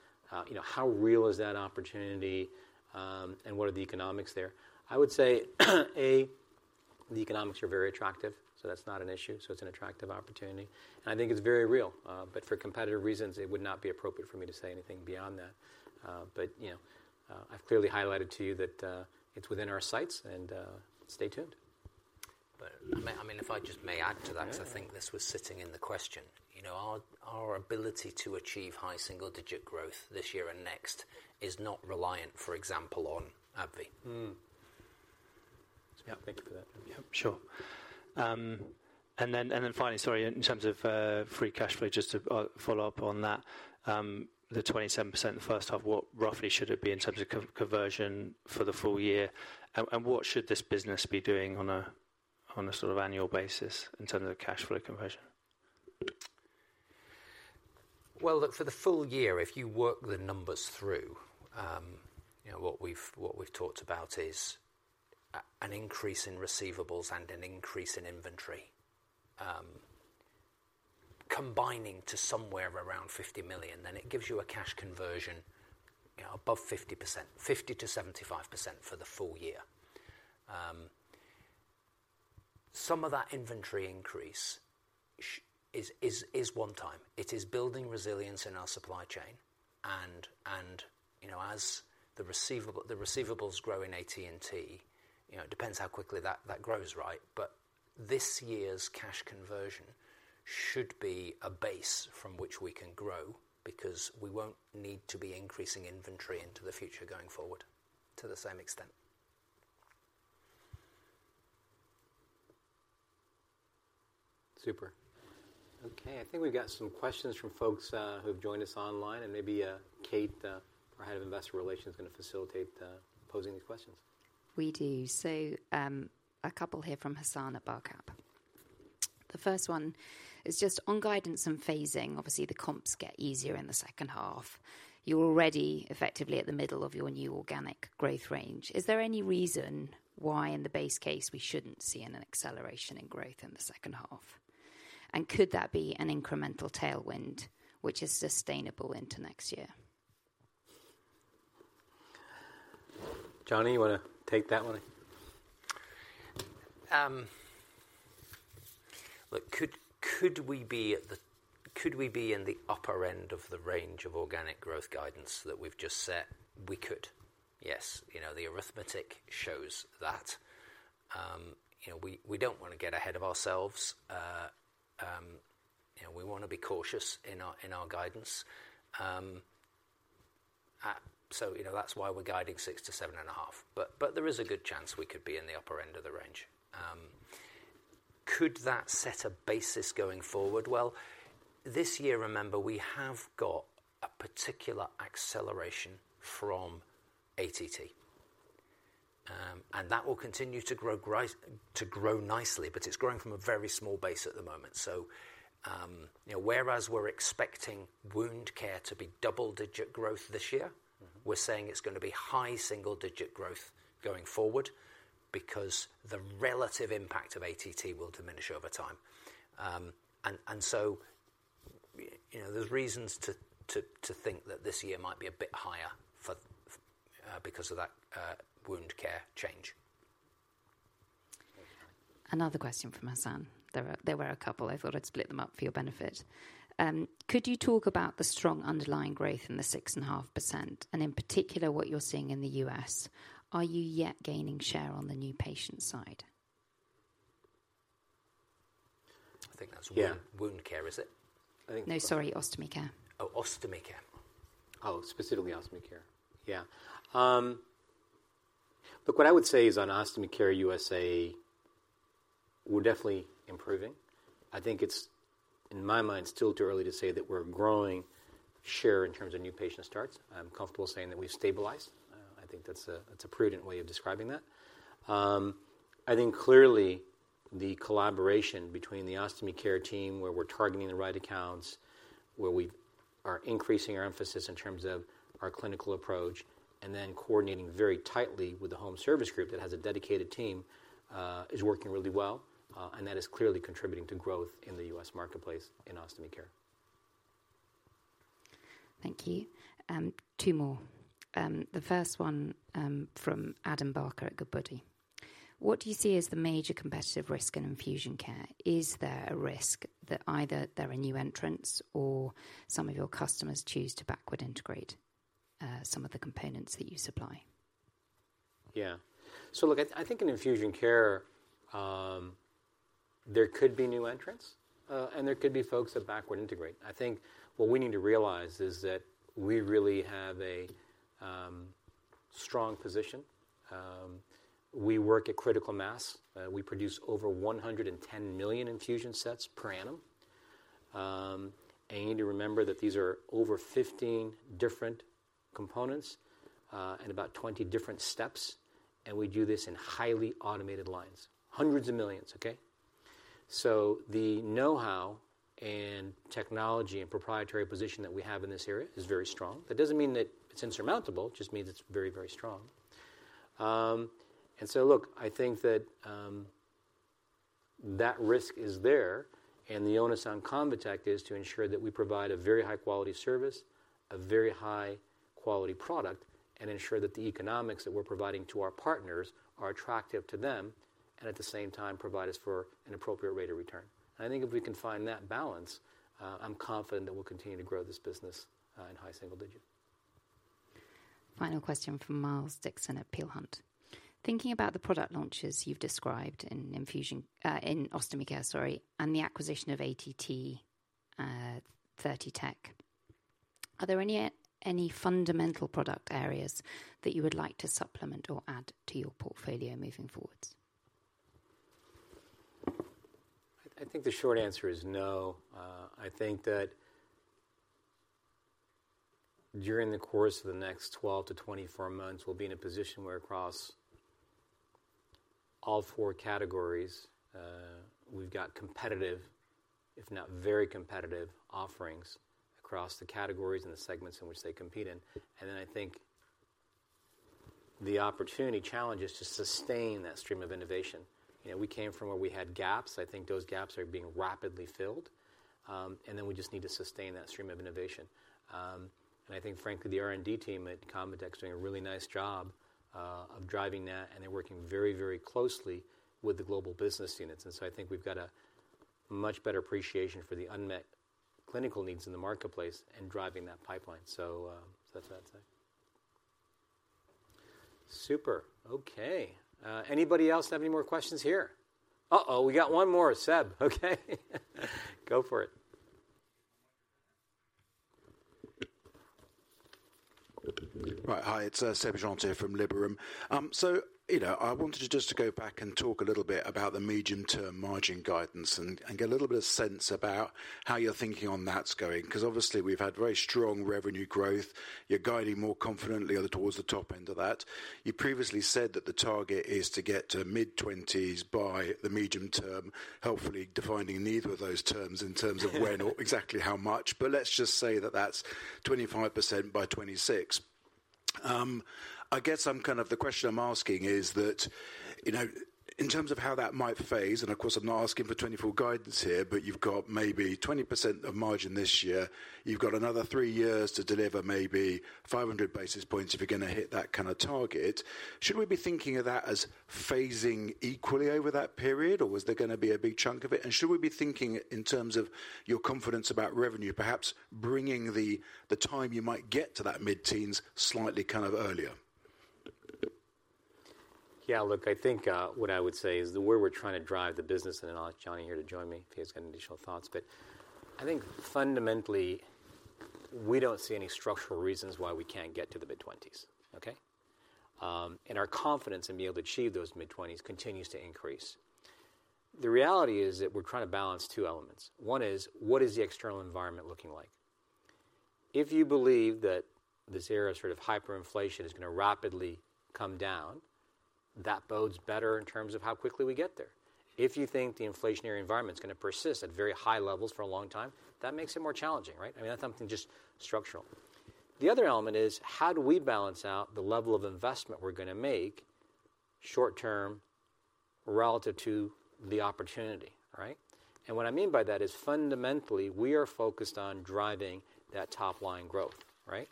you know, how real is that opportunity, and what are the economics there? I would say, the economics are very attractive, so that's not an issue. It's an attractive opportunity, and I think it's very real. For competitive reasons, it would not be appropriate for me to say anything beyond that. You know, I've clearly highlighted to you that it's within our sights and stay tuned. I mean, if I just may add to that. Yeah. because I think this was sitting in the question. You know, our, our ability to achieve high single-digit growth this year and next is not reliant, for example, on AbbVie. Mm. Yeah. Thank you for that. Yeah, sure. In terms of free cash flow, just to follow up on that, the 27% in the first half, what roughly should it be in terms of conversion for the full year? What should this business be doing on a sort of annual basis in terms of cash flow conversion? Well, look, for the full year, if you work the numbers through, you know, what we've, what we've talked about is an increase in receivables and an increase in inventory, combining to somewhere around $50 million, it gives you a cash conversion, you know, above 50%. 50%-75% for the full year. Some of that inventory increase is one time. It is building resilience in our supply chain, and, you know, as the receivables grow in AT&T, you know, it depends how quickly that, that grows, right? This year's cash conversion should be a base from which we can grow, because we won't need to be increasing inventory into the future going forward to the same extent. Super. Okay, I think we've got some questions from folks, who've joined us online, and maybe, Kate, our head of investor relations, is going to facilitate, posing these questions. We do. A couple here from Hassan at Barclays Capital. The first one is just on guidance and phasing. Obviously, the comps get easier in the second half. You're already effectively at the middle of your new organic growth range. Is there any reason why, in the base case, we shouldn't see an acceleration in growth in the second half? Could that be an incremental tailwind, which is sustainable into next year? Johnny, you want to take that one? Look, could, could we be at the, could we be in the upper end of the range of organic growth guidance that we've just set? We could, yes. You know, the arithmetic shows that. You know, we, we don't want to get ahead of ourselves. You know, we want to be cautious in our, in our guidance. So, you know, that's why we're guiding six to 7.5, but, but there is a good chance we could be in the upper end of the range. Could that set a basis going forward? Well, this year, remember, we have got a particular acceleration from AT&T. And that will continue to grow nicely, but it's growing from a very small base at the moment. You know, whereas we're expecting wound care to be double-digit growth this year, we're saying it's going to be high single digit growth going forward, because the relative impact of ATT will diminish over time. So, you know, there's reasons to, to, to think that this year might be a bit higher because of that wound care change. Another question from Hassan. There were a couple. I thought I'd split them up for your benefit. Could you talk about the strong underlying growth in the 6.5%, and in particular, what you're seeing in the U.S.? Are you yet gaining share on the new patient side? I think that's Yeah. wound care, is it? I think- No, sorry, ostomy care. Oh, ostomy care. Oh, specifically ostomy care. Yeah. Look, what I would say is on ostomy care USA, we're definitely improving. I think it's, in my mind, still too early to say that we're growing share in terms of new patient starts. I'm comfortable saying that we've stabilized. I think that's a, that's a prudent way of describing that. I think clearly the collaboration between the ostomy care team, where we're targeting the right accounts, where we are increasing our emphasis in terms of our clinical approach, and then coordinating very tightly with the Home Services Group that has a dedicated team, is working really well, and that is clearly contributing to growth in the U.S. marketplace in ostomy care. Thank you. Two more. The first one, from Adam Barker at Goodbody. What do you see as the major competitive risk in infusion care? Is there a risk that either there are new entrants or some of your customers choose to backward integrate, some of the components that you supply? Yeah. Look, I, I think in infusion care, there could be new entrants, and there could be folks that backward integrate. I think what we need to realize is that we really have a strong position. We work at critical mass. We produce over 110 million infusion sets per annum. And you need to remember that these are over 15 different components, and about 20 different steps, and we do this in highly automated lines. Hundreds of millions, okay? The know-how and technology and proprietary position that we have in this area is very strong. That doesn't mean that it's insurmountable, it just means it's very, very strong. Look, I think that, that risk is there, and the onus on ConvaTec is to ensure that we provide a very high-quality service, a very high-quality product, and ensure that the economics that we're providing to our partners are attractive to them, and at the same time, provide us for an appropriate rate of return. I think if we can find that balance, I'm confident that we'll continue to grow this business, in high single digits. Final question from Miles Dixon at Peel Hunt. Thinking about the product launches you've described in infusion, in ostomy care, sorry, and the acquisition of ATT, 30 Technology, are there any, any fundamental product areas that you would like to supplement or add to your portfolio moving forwards? I think the short answer is no. I think that during the course of the next 12 to 24 months, we'll be in a position where across all four categories, we've got competitive, if not very competitive, offerings across the categories and the segments in which they compete in. Then I think the opportunity challenge is to sustain that stream of innovation. You know, we came from where we had gaps. I think those gaps are being rapidly filled. Then we just need to sustain that stream of innovation. I think frankly, the R&D team at ConvaTec is doing a really nice job of driving that, and they're working very, very closely with the global business units. So I think we've got a much better appreciation for the unmet clinical needs in the marketplace and driving that pipeline. So that's what I'd say. Super. Okay. Anybody else have any more questions here? Uh-oh, we got one more. Seb, okay. Go for it. Right. Hi, it's Seb Jantet from Liberum. You know, I wanted to just to go back and talk a little bit about the medium-term margin guidance and, and get a little bit of sense about how you're thinking on that's going. 'Cause obviously, we've had very strong revenue growth. You're guiding more confidently other towards the top end of that. You previously said that the target is to get to mid-twenties by the medium term, helpfully defining neither of those terms in terms of when, or exactly how much, but let's just say that that's 25% by 2026. I guess I'm kind of, the question I'm asking is that, you know, in terms of how that might phase, and of course, I'm not asking for 2024 guidance here, but you've got maybe 20% of margin this year. You've got another three years to deliver maybe 500 basis points if you're gonna hit that kind of target. Should we be thinking of that as phasing equally over that period, or was there gonna be a big chunk of it? Should we be thinking in terms of your confidence about revenue, perhaps bringing the time you might get to that mid-teens slightly kind of earlier? Yeah, look, I think, what I would say is the way we're trying to drive the business, and I'll ask Johnny here to join me if he's got any additional thoughts. I think fundamentally, we don't see any structural reasons why we can't get to the mid-twenties, okay? Our confidence in being able to achieve those mid-twenties continues to increase. The reality is that we're trying to balance two elements. One is, what is the external environment looking like? If you believe that this era of sort of hyperinflation is going to rapidly come down, that bodes better in terms of how quickly we get there. If you think the inflationary environment is going to persist at very high levels for a long time, that makes it more challenging, right? I mean, that's something just structural. The other element is, how do we balance out the level of investment we're going to make? Short term relative to the opportunity, right? What I mean by that is fundamentally, we are focused on driving that top line growth, right?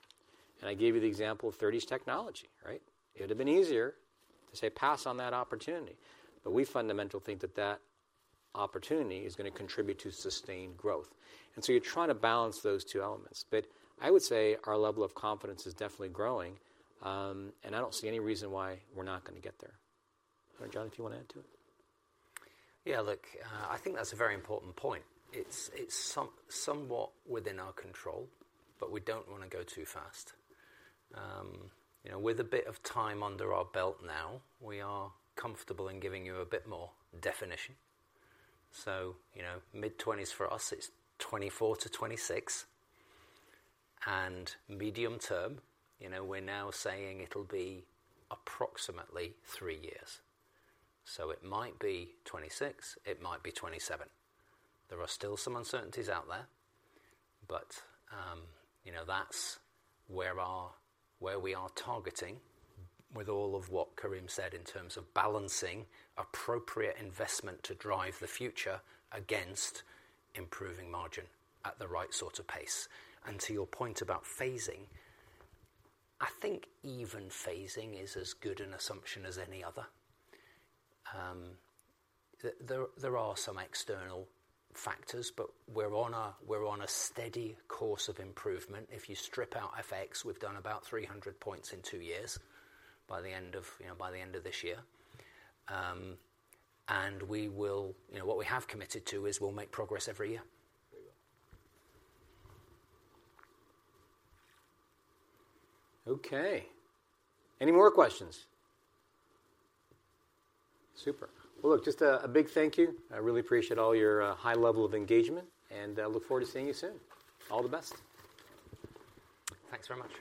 I gave you the example of 30 Technology, right? It would have been easier to say pass on that opportunity, but we fundamentally think that that opportunity is going to contribute to sustained growth. So you're trying to balance those two elements. I would say our level of confidence is definitely growing, and I don't see any reason why we're not going to get there. John, do you want to add to it? Yeah, look, I think that's a very important point. It's, it's somewhat within our control, but we don't want to go too fast. You know, with a bit of time under our belt now, we are comfortable in giving you a bit more definition. You know, mid-twenties for us, it's 24 to 26. Medium term, you know, we're now saying it'll be approximately three years. It might be 26, it might be 27. There are still some uncertainties out there, but, you know, that's where we are targeting with all of what Karim said in terms of balancing appropriate investment to drive the future against improving margin at the right sort of pace. To your point about phasing, I think even phasing is as good an assumption as any other. There, there are some external factors, but we're on a we're on a steady course of improvement. If you strip out FX, we've done about 300 points in two years by the end of, you know, by the end of this year. We will, you know, what we have committed to is we'll make progress every year. There you go. Okay. Any more questions? Super. Well, look, just a big thank you. I really appreciate all your high level of engagement, and look forward to seeing you soon. All the best. Thanks very much.